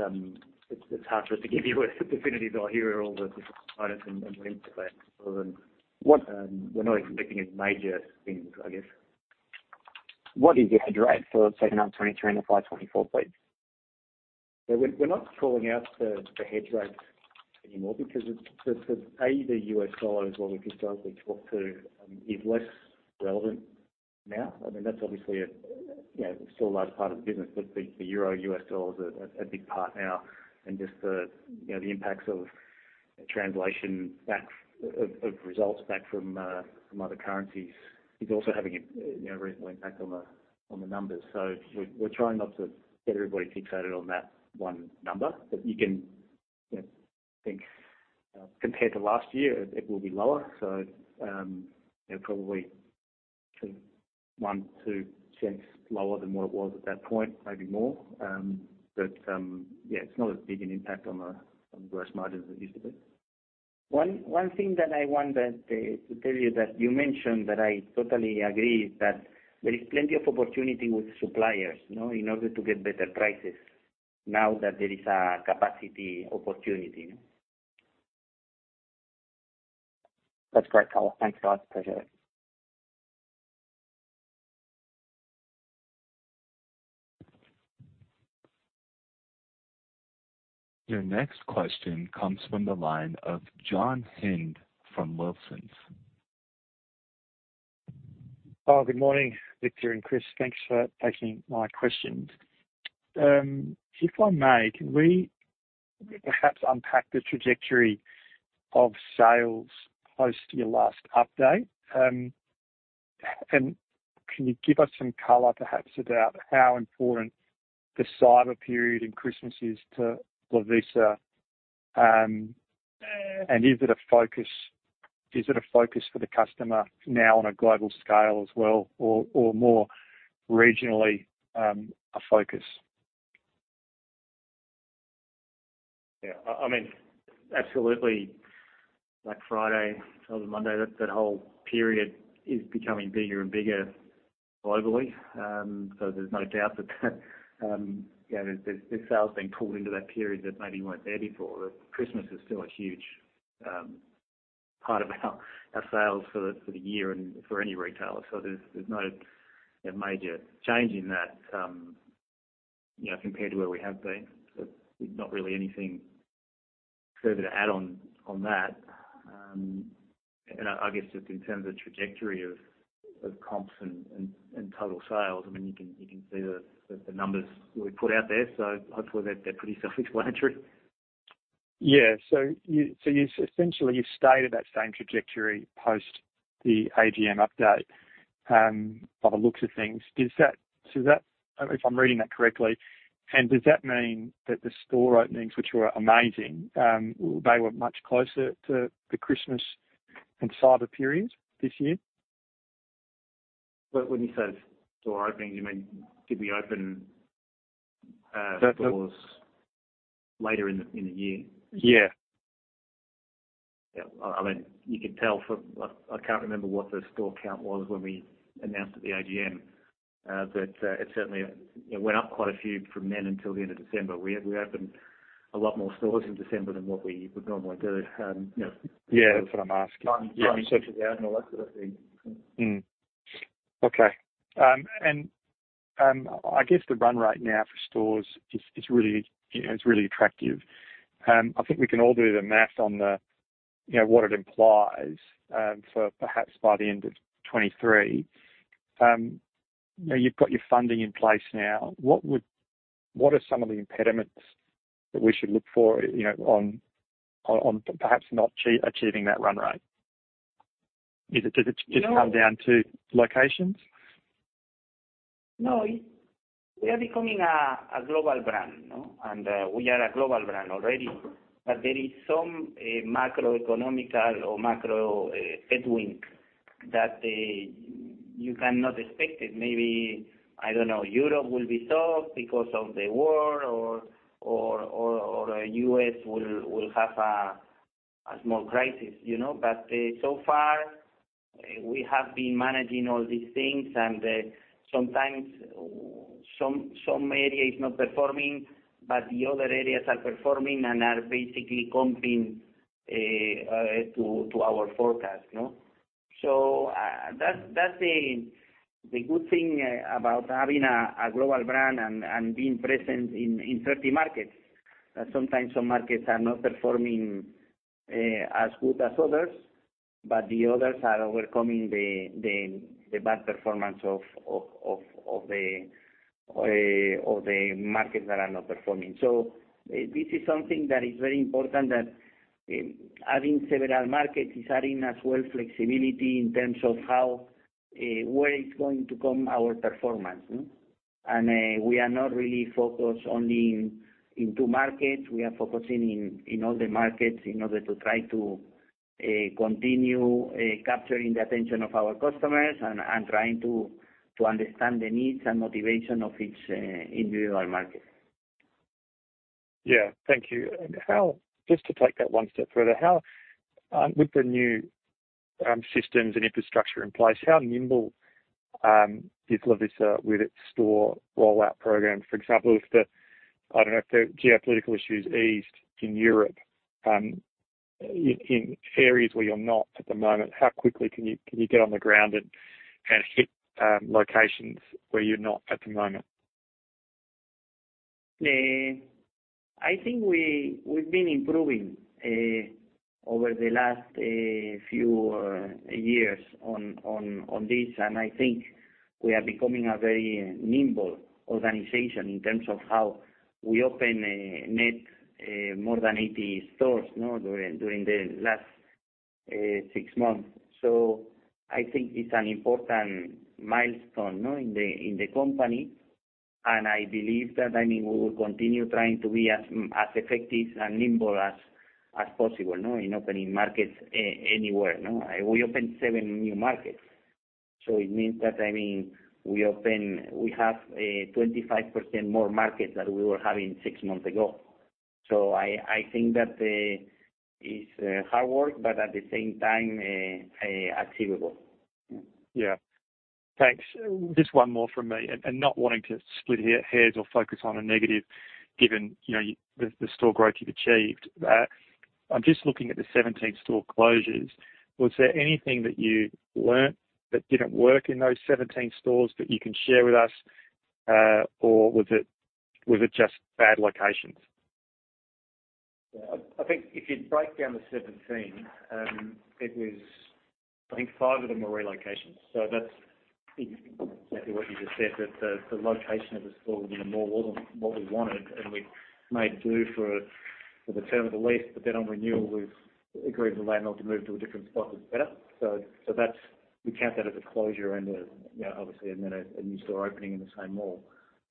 hard for us to give you a definitive answer here, all the different components and links to that other than. What, We're not expecting any major things, I guess. What is your hedge rate for second half 2023 and the 5 2024, please? We're not calling out the hedge rate anymore because the U.S. dollar is what we historically talk to is less relevant now. I mean, that's obviously a, you know, still a large part of the business, but the euro US dollar is a big part now. Just the, you know, the impacts of translation back of results back from other currencies is also having a, you know, reasonable impact on the numbers. We're trying not to get everybody fixated on that one number. You can, you know, think, compared to last year it will be lower. You know, probably 0.01-0.02 lower than what it was at that point, maybe more. Yeah, it's not as big an impact on the, on the gross margin as it used to be. One thing that I want to tell you that you mentioned that I totally agree is that there is plenty of opportunity with suppliers, you know, in order to get better prices now that there is a capacity opportunity. That's great, Carlos. Thanks a lot. Appreciate it. Your next question comes from the line of John Hynd from Wilsons. Good morning, Victor and Chris. Thanks for taking my questions. If I may, can we perhaps unpack the trajectory of sales close to your last update? Can you give us some color perhaps about how important the cyber period and Christmas is to Lovisa? Is it a focus for the customer now on a global scale as well, or more regionally, a focus? I mean, absolutely, Black Friday, Cyber Monday, that whole period is becoming bigger and bigger globally. There's no doubt that, you know, there's sales being pulled into that period that maybe weren't there before. Christmas is still a huge part of our sales for the year and for any retailer. There's no major change in that, you know, compared to where we have been. There's not really anything further to add on that. I guess just in terms of trajectory of comps and total sales, I mean, you can see the numbers we put out there, so hopefully they're pretty self-explanatory. Yeah. You essentially you've stayed at that same trajectory post the AGM update by the looks of things. Does that if I'm reading that correctly, and does that mean that the store openings, which were amazing, they were much closer to the Christmas and Cyber periods this year? When you say store openings, you mean did we open? That the- Stores later in the year? Yeah. Yeah. I mean, I can't remember what the store count was when we announced at the AGM. It certainly, you know, went up quite a few from then until the end of December. We opened a lot more stores in December than what we would normally do. You know. Yeah, that's what I'm asking. All that sort of thing. Okay. I guess the run rate now for stores is really, you know, is really attractive. I think we can all do the math on the, you know, what it implies for perhaps by the end of 2023. You know, you've got your funding in place now. What are some of the impediments that we should look for, you know, on perhaps not achieving that run rate? Does it just come down to locations? No. We are becoming a global brand, you know, we are a global brand already. There is some macroeconomical or macro headwind that you cannot expect it. Maybe, I don't know, Europe will be soft because of the war or U.S. will have a small crisis, you know. So far we have been managing all these things, and sometimes Some area is not performing, but the other areas are performing and are basically comping to our forecast, you know? That's the good thing about having a global brand and being present in 30 markets. That sometimes some markets are not performing as good as others, but the others are overcoming the bad performance of the markets that are not performing. This is something that is very important, that adding several markets is adding as well flexibility in terms of how where is going to come our performance. We are not really focused only in two markets. We are focusing in all the markets in order to try to continue capturing the attention of our customers and trying to understand the needs and motivation of each individual market. Yeah. Thank you. Just to take that one step further, how with the new systems and infrastructure in place, how nimble is Lovisa with its store rollout program? For example, if the, I don't know, if the geopolitical issues eased in Europe, in areas where you're not at the moment, how quickly can you get on the ground and hit locations where you're not at the moment? I think we've been improving over the last few years on this. I think we are becoming a very nimble organization in terms of how we open net more than 80 stores during the last six months. I think it's an important milestone in the company, and I believe that, I mean, we will continue trying to be as effective and nimble as possible in opening markets anywhere. We opened seven new markets. It means that, I mean, we have 25% more markets than we were having six months ago. I think that it's hard work, but at the same time achievable. Yeah. Thanks. Just one more from me. Not wanting to split here hairs or focus on a negative given, you know, the store growth you've achieved. I'm just looking at the 17 store closures. Was there anything that you learned that didn't work in those 17 stores that you can share with us? Or was it just bad locations? Yeah. I think if you break down the 17, I think five of them were relocations. That's exactly what you just said, that the location of the store was in a mall wasn't what we wanted, and we made do for the term of the lease, on renewal, we've agreed with the landlord to move to a different spot that's better. That's, we count that as a closure and a, you know, obviously, and then a new store opening in the same mall.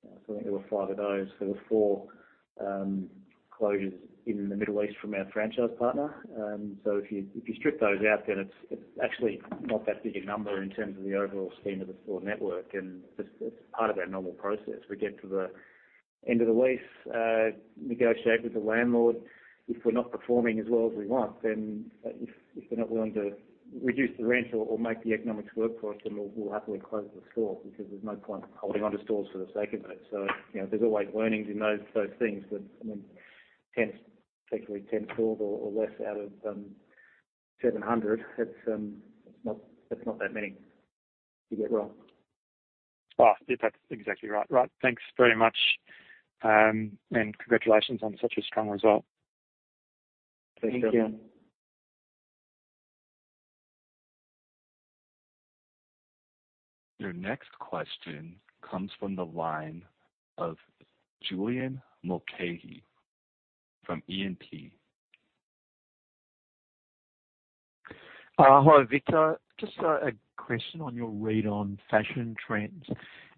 I think there were five of those. There were four closures in the Middle East from our franchise partner. If you strip those out, it's actually not that big a number in terms of the overall scheme of the store network, that's part of our normal process. We get to the end of the lease, negotiate with the landlord. If we're not performing as well as we want, if they're not willing to reduce the rent or make the economics work for us, we'll happily close the store because there's no point holding onto stores for the sake of it. You know, there's always learnings in those things. I mean, 10, particularly 10 stores or less out of 700, that's not that many you get wrong. Yep, that's exactly right. Right. Thanks very much. Congratulations on such a strong result. Thank you. Thanks. Your next question comes from the line of Julian Mulcahy from E&P. Hi, Victor. Just a question on your read on fashion trends.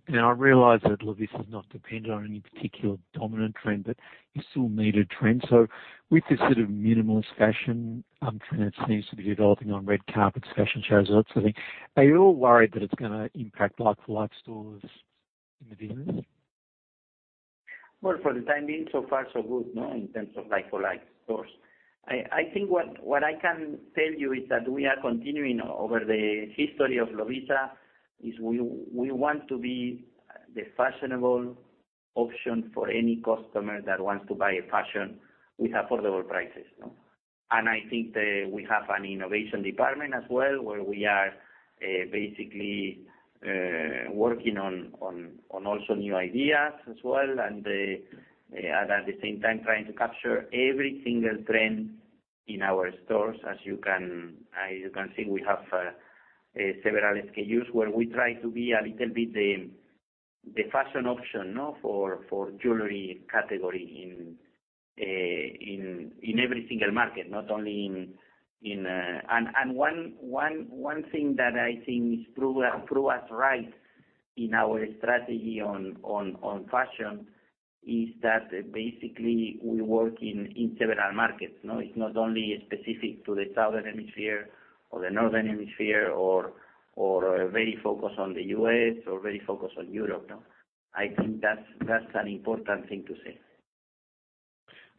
Now, I realize that Lovisa does not depend on any particular dominant trend, but you still need a trend. With this sort of minimalist fashion, trend that seems to be developing on red carpet fashion shows and that sort of thing, are you all worried that it's gonna impact like-for-like stores in the business? For the time being, so far so good, no, in terms of like-for-like stores. I think what I can tell you is that we are continuing over the history of Lovisa, is we want to be the fashionable option for any customer that wants to buy a fashion with affordable prices, no? I think that we have an innovation department as well, where we are basically working on also new ideas as well, and at the same time trying to capture every single trend in our stores. As you can see, we have several SKUs where we try to be a little bit the fashion option, no, for jewelry category in every single market, not only in... One thing that I think is true, prove us right in our strategy on fashion is that basically we work in several markets, no? It's not only specific to the Southern Hemisphere or the Northern Hemisphere or very focused on the U.S. or very focused on Europe, no? I think that's an important thing to say.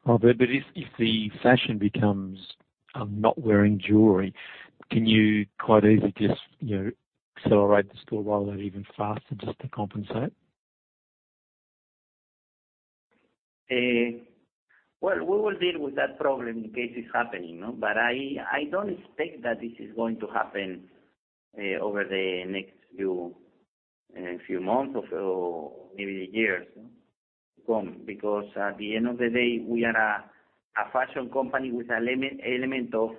Robert, if the fashion becomes not wearing jewelry, can you quite easily just, you know, accelerate the store rollout even faster just to compensate? Well, we will deal with that problem in case it's happening, no? I don't expect that this is going to happen, over the next few months or maybe years to come, because at the end of the day, we are a fashion company with element of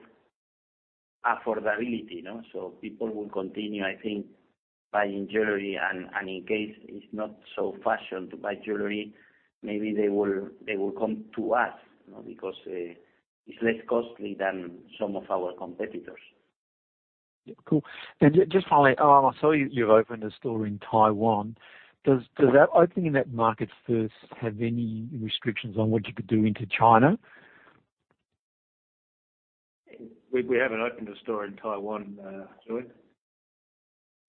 affordability, you know. People will continue, I think, buying jewelry and in case it's not so fashion to buy jewelry, maybe they will come to us, you know, because, it's less costly than some of our competitors. Yeah. Cool. Just finally, I saw you've opened a store in Taiwan. Does that opening in that market first have any restrictions on what you could do into China? We haven't opened a store in Taiwan, Julian.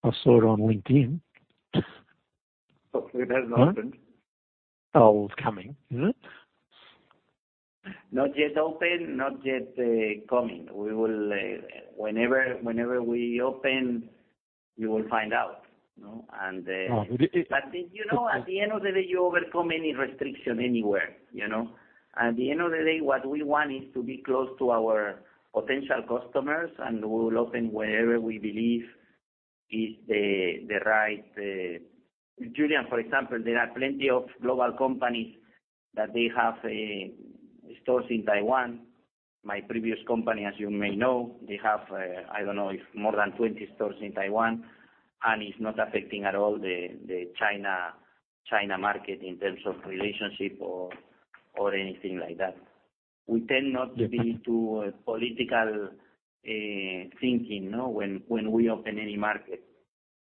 I saw it on LinkedIn. Oh, we've had an opened. Oh, it's coming, isn't it? Not yet open, not yet coming. We will, whenever we open, you will find out, you know. Oh, it. You know, at the end of the day, you overcome any restriction anywhere, you know? At the end of the day, what we want is to be close to our potential customers, and we will open wherever we believe is the right. Julian, for example, there are plenty of global companies that they have stores in Taiwan. My previous company, as you may know, they have, I don't know, it's more than 20 stores in Taiwan, and it's not affecting at all the China market in terms of relationship or anything like that. We tend not to be into political thinking, you know, when we open any market.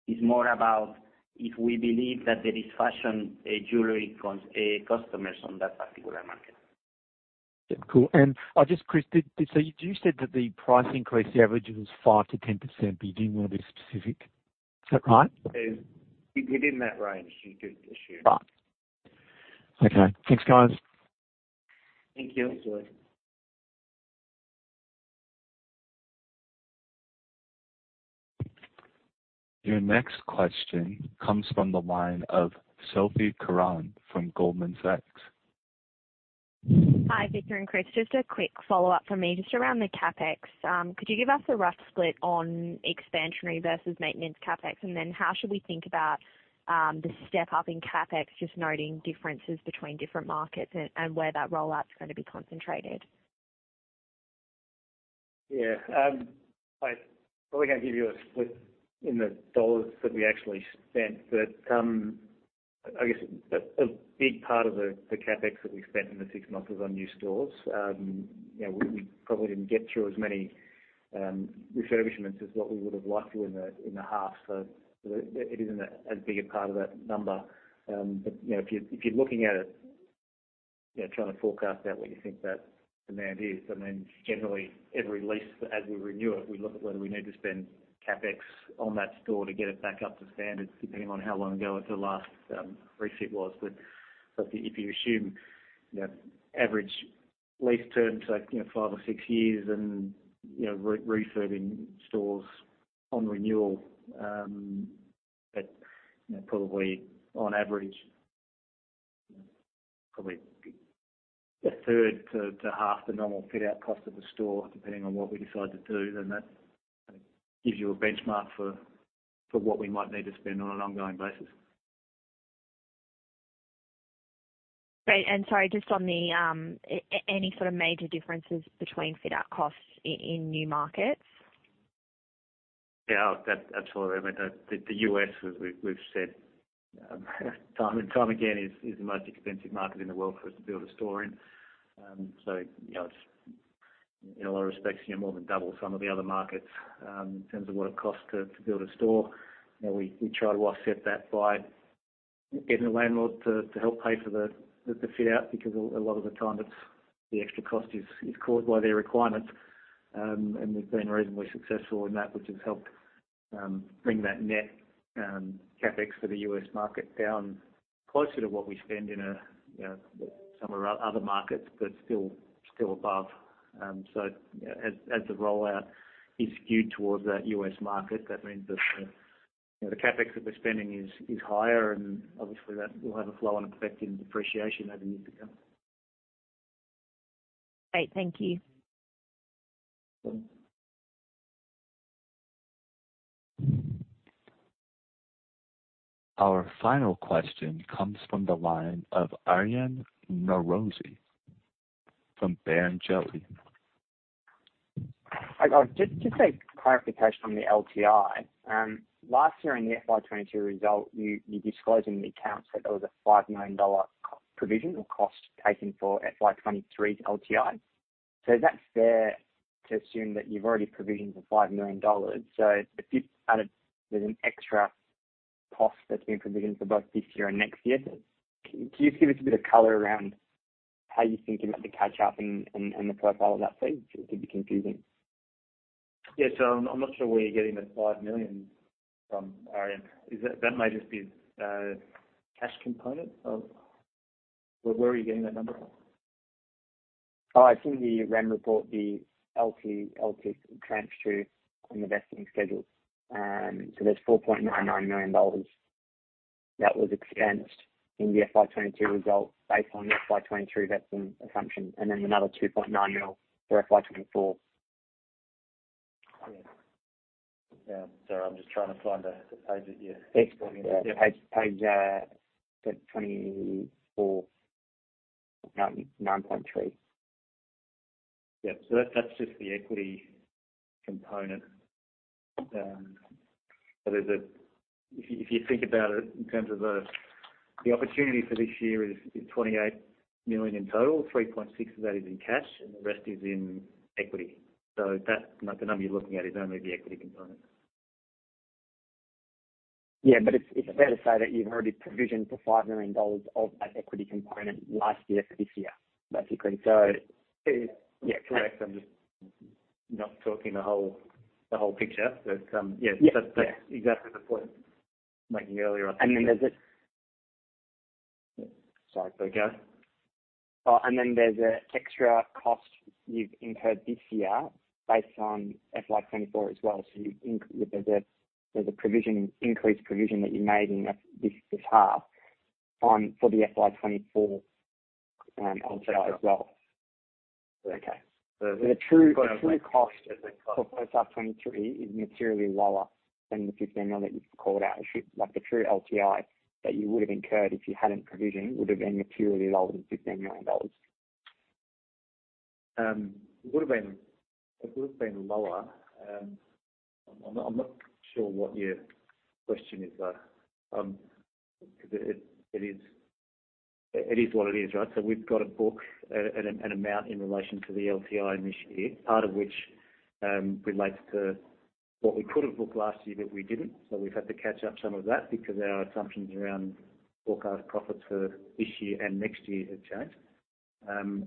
It's more about if we believe that there is fashion jewelry customers on that particular market. Yeah. Cool. Just Chris did, so you said that the price increase, the average was 5%-10%, but you didn't want to be specific. Is that right? It's in that range. You could assume. Right. Okay. Thanks, guys. Thank you. Thanks, Julian. Your next question comes from the line of Sophie Carran from Goldman Sachs. Hi, Victor and Chris. Just a quick follow-up from me, just around the CapEx. Could you give us a rough split on expansionary versus maintenance CapEx? How should we think about the step up in CapEx, just noting differences between different markets and where that rollout is gonna be concentrated? Yeah. I probably can't give you a split in the dollars that we actually spent. I guess a big part of the CapEx that we spent in the six months was on new stores. You know, we probably didn't get through as many refurbishments as what we would have liked to in the half. It, it isn't a, as big a part of that number. You know, if you're, if you're looking at it, you know, trying to forecast out what you think that demand is, I mean, generally every lease as we renew it, we look at whether we need to spend CapEx on that store to get it back up to standard, depending on how long ago the last refit was. If you assume that average lease terms are, you know, five or six years and, you know, re-refurbing stores on renewal, at, you know, probably on average, you know, probably a third to half the normal fit-out cost of the store, depending on what we decide to do, then that gives you a benchmark for what we might need to spend on an ongoing basis. Great. Sorry, just on the, any sort of major differences between fit-out costs in new markets? Yeah. That's all. I mean, the U.S. As we've said time and time again is the most expensive market in the world for us to build a store in. You know, it's in a lot of respects, you know, more than double some of the other markets in terms of what it costs to build a store. You know, we try to offset that by getting the landlord to help pay for the fit-out because a lot of the time it's the extra cost is caused by their requirements. We've been reasonably successful in that, which has helped bring that net CapEx for the U.S. market down closer to what we spend in a, you know, some of our other markets, but still above. As the rollout is skewed towards that U.S. market, that means that the, you know, the CapEx that we're spending is higher and obviously that will have a flow on effect in depreciation over years to come. Great. Thank you. Thanks. Our final question comes from the line of Aryan Norozi from Barrenjoey. Hi. Just a clarification on the LTI. Last year in the FY 2022 result, you disclosed in the accounts that there was a 5 million dollar co-provision or cost taken for FY 2023's LTI. Is that fair to assume that you've already provisioned for 5 million dollars? If you've added there's an extra cost that's been provisioned for both this year and next year, can you just give us a bit of color around how you're thinking about the catch-up and the profile of that fee? It could be confusing. Yes. I'm not sure where you're getting the 5 million from, Aryan. Is that may just be, cash component of... Where are you getting that number from? It's in the Remuneration Report, the LT tranche two on the vesting schedule. There's 4.99 million dollars that was expensed in the FY 2022 results based on FY 2023 vesting assumption, and then another 2.9 million for FY 2024. Yeah. Yeah. I'm just trying to find the page that. It's page 24, 9.3. Yeah. That's, that's just the equity component. There's If you, if you think about it in terms of the opportunity for this year is 28 million in total, 3.6 million of that is in cash, and the rest is in equity. The number you're looking at is only the equity component. Yeah. It's, it's fair to say that you've already provisioned for 5 million dollars of that equity component last year for this year, basically. Yeah. Correct. I'm just not talking the whole, the whole picture. Yeah. Yeah. That's exactly the point I was making earlier. There's. Sorry, go ahead. There's an extra cost you've incurred this year based on FY 2024 as well. There's a provision, increased provision that you made in this half on, for the FY 2024 LTI as well. Okay. The true cost for FY 2023 is materially lower than the 15 million that you called out. Like, the true LTI that you would have incurred if you hadn't provisioned would have been materially lower than 15 million dollars. It would have been lower. I'm not sure what your question is, though. Because it is what it is, right? We've got to book an amount in relation to the LTI this year, part of which relates to what we could have booked last year, but we didn't. We've had to catch up some of that because our assumptions around forecast profits for this year and next year have changed.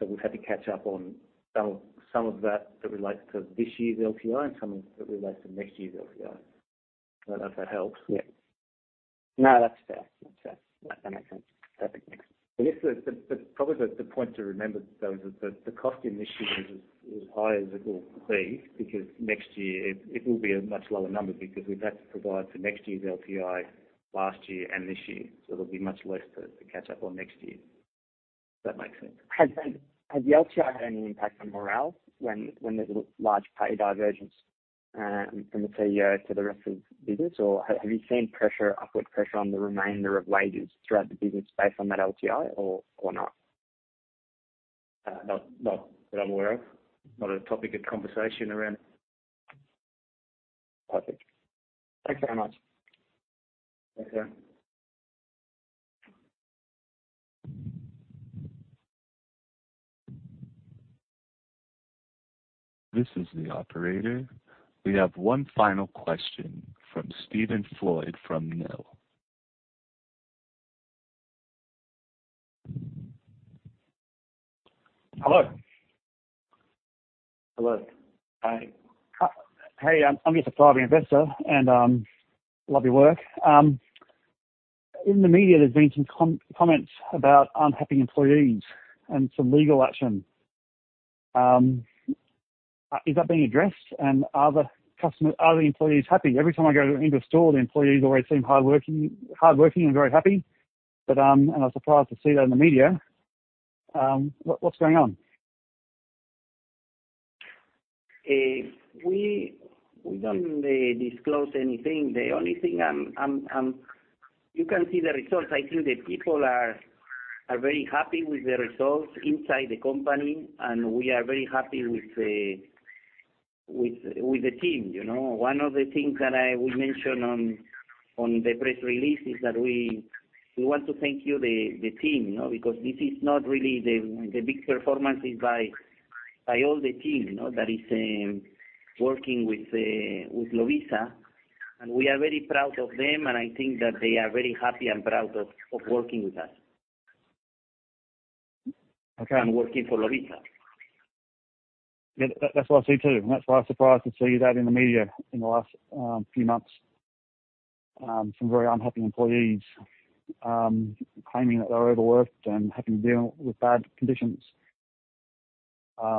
We've had to catch up on some of that that relates to this year's LTI and some of it relates to next year's LTI. I don't know if that helps. Yeah. No, that's fair. That's fair. That makes sense. Perfect. Thanks. I guess the, probably the point to remember, though, is that the cost in this year is as high as it will be, because next year it will be a much lower number because we've had to provide for next year's LTI last year and this year. There'll be much less to catch up on next year. If that makes sense. Has the LTI had any impact on morale when there's a large pay divergence from the CEO to the rest of the business? Have you seen pressure, upward pressure on the remainder of wages throughout the business based on that LTI or not? Not that I'm aware of. Not a topic of conversation around. Perfect. Thanks very much. Okay. This is the operator. We have one final question from Stephen Flood from Ord Minnett. Hello. Hello. Hi. Hi. I'm just a private investor and love your work. In the media, there's been some comments about unhappy employees and some legal action. Is that being addressed? Are the customers, are the employees happy? Every time I go into a store, the employees always seem hard working and very happy. I was surprised to see that in the media. What's going on? We don't disclose anything. You can see the results. I think the people are very happy with the results inside the company, and we are very happy with the team, you know. One of the things that I would mention on the press release is that we want to thank you the team. You know, because this is not really the big performance is by all the team, you know, that is working with Lovisa, and we are very proud of them, and I think that they are very happy and proud of working with us. Okay. Working for Lovisa. Yeah. That's what I see, too. That's why I was surprised to see that in the media in the last, few months, some very unhappy employees, claiming that they're overworked and having to deal with bad conditions. Anyway,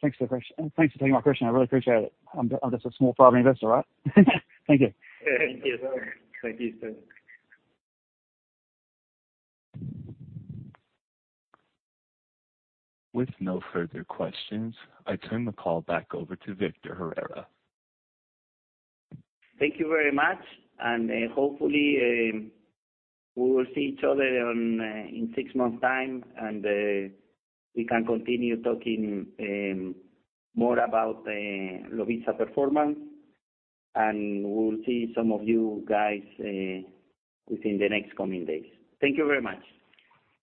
thanks for the question. Thanks for taking my question. I really appreciate it. I'm just a small private investor, right? Thank you. Thank you. Thank you, sir. With no further questions, I turn the call back over to Victor Herrero. Thank you very much. Hopefully, we will see each other on, in six months' time, and we can continue talking, more about the Lovisa performance, and we'll see some of you guys, within the next coming days. Thank you very much.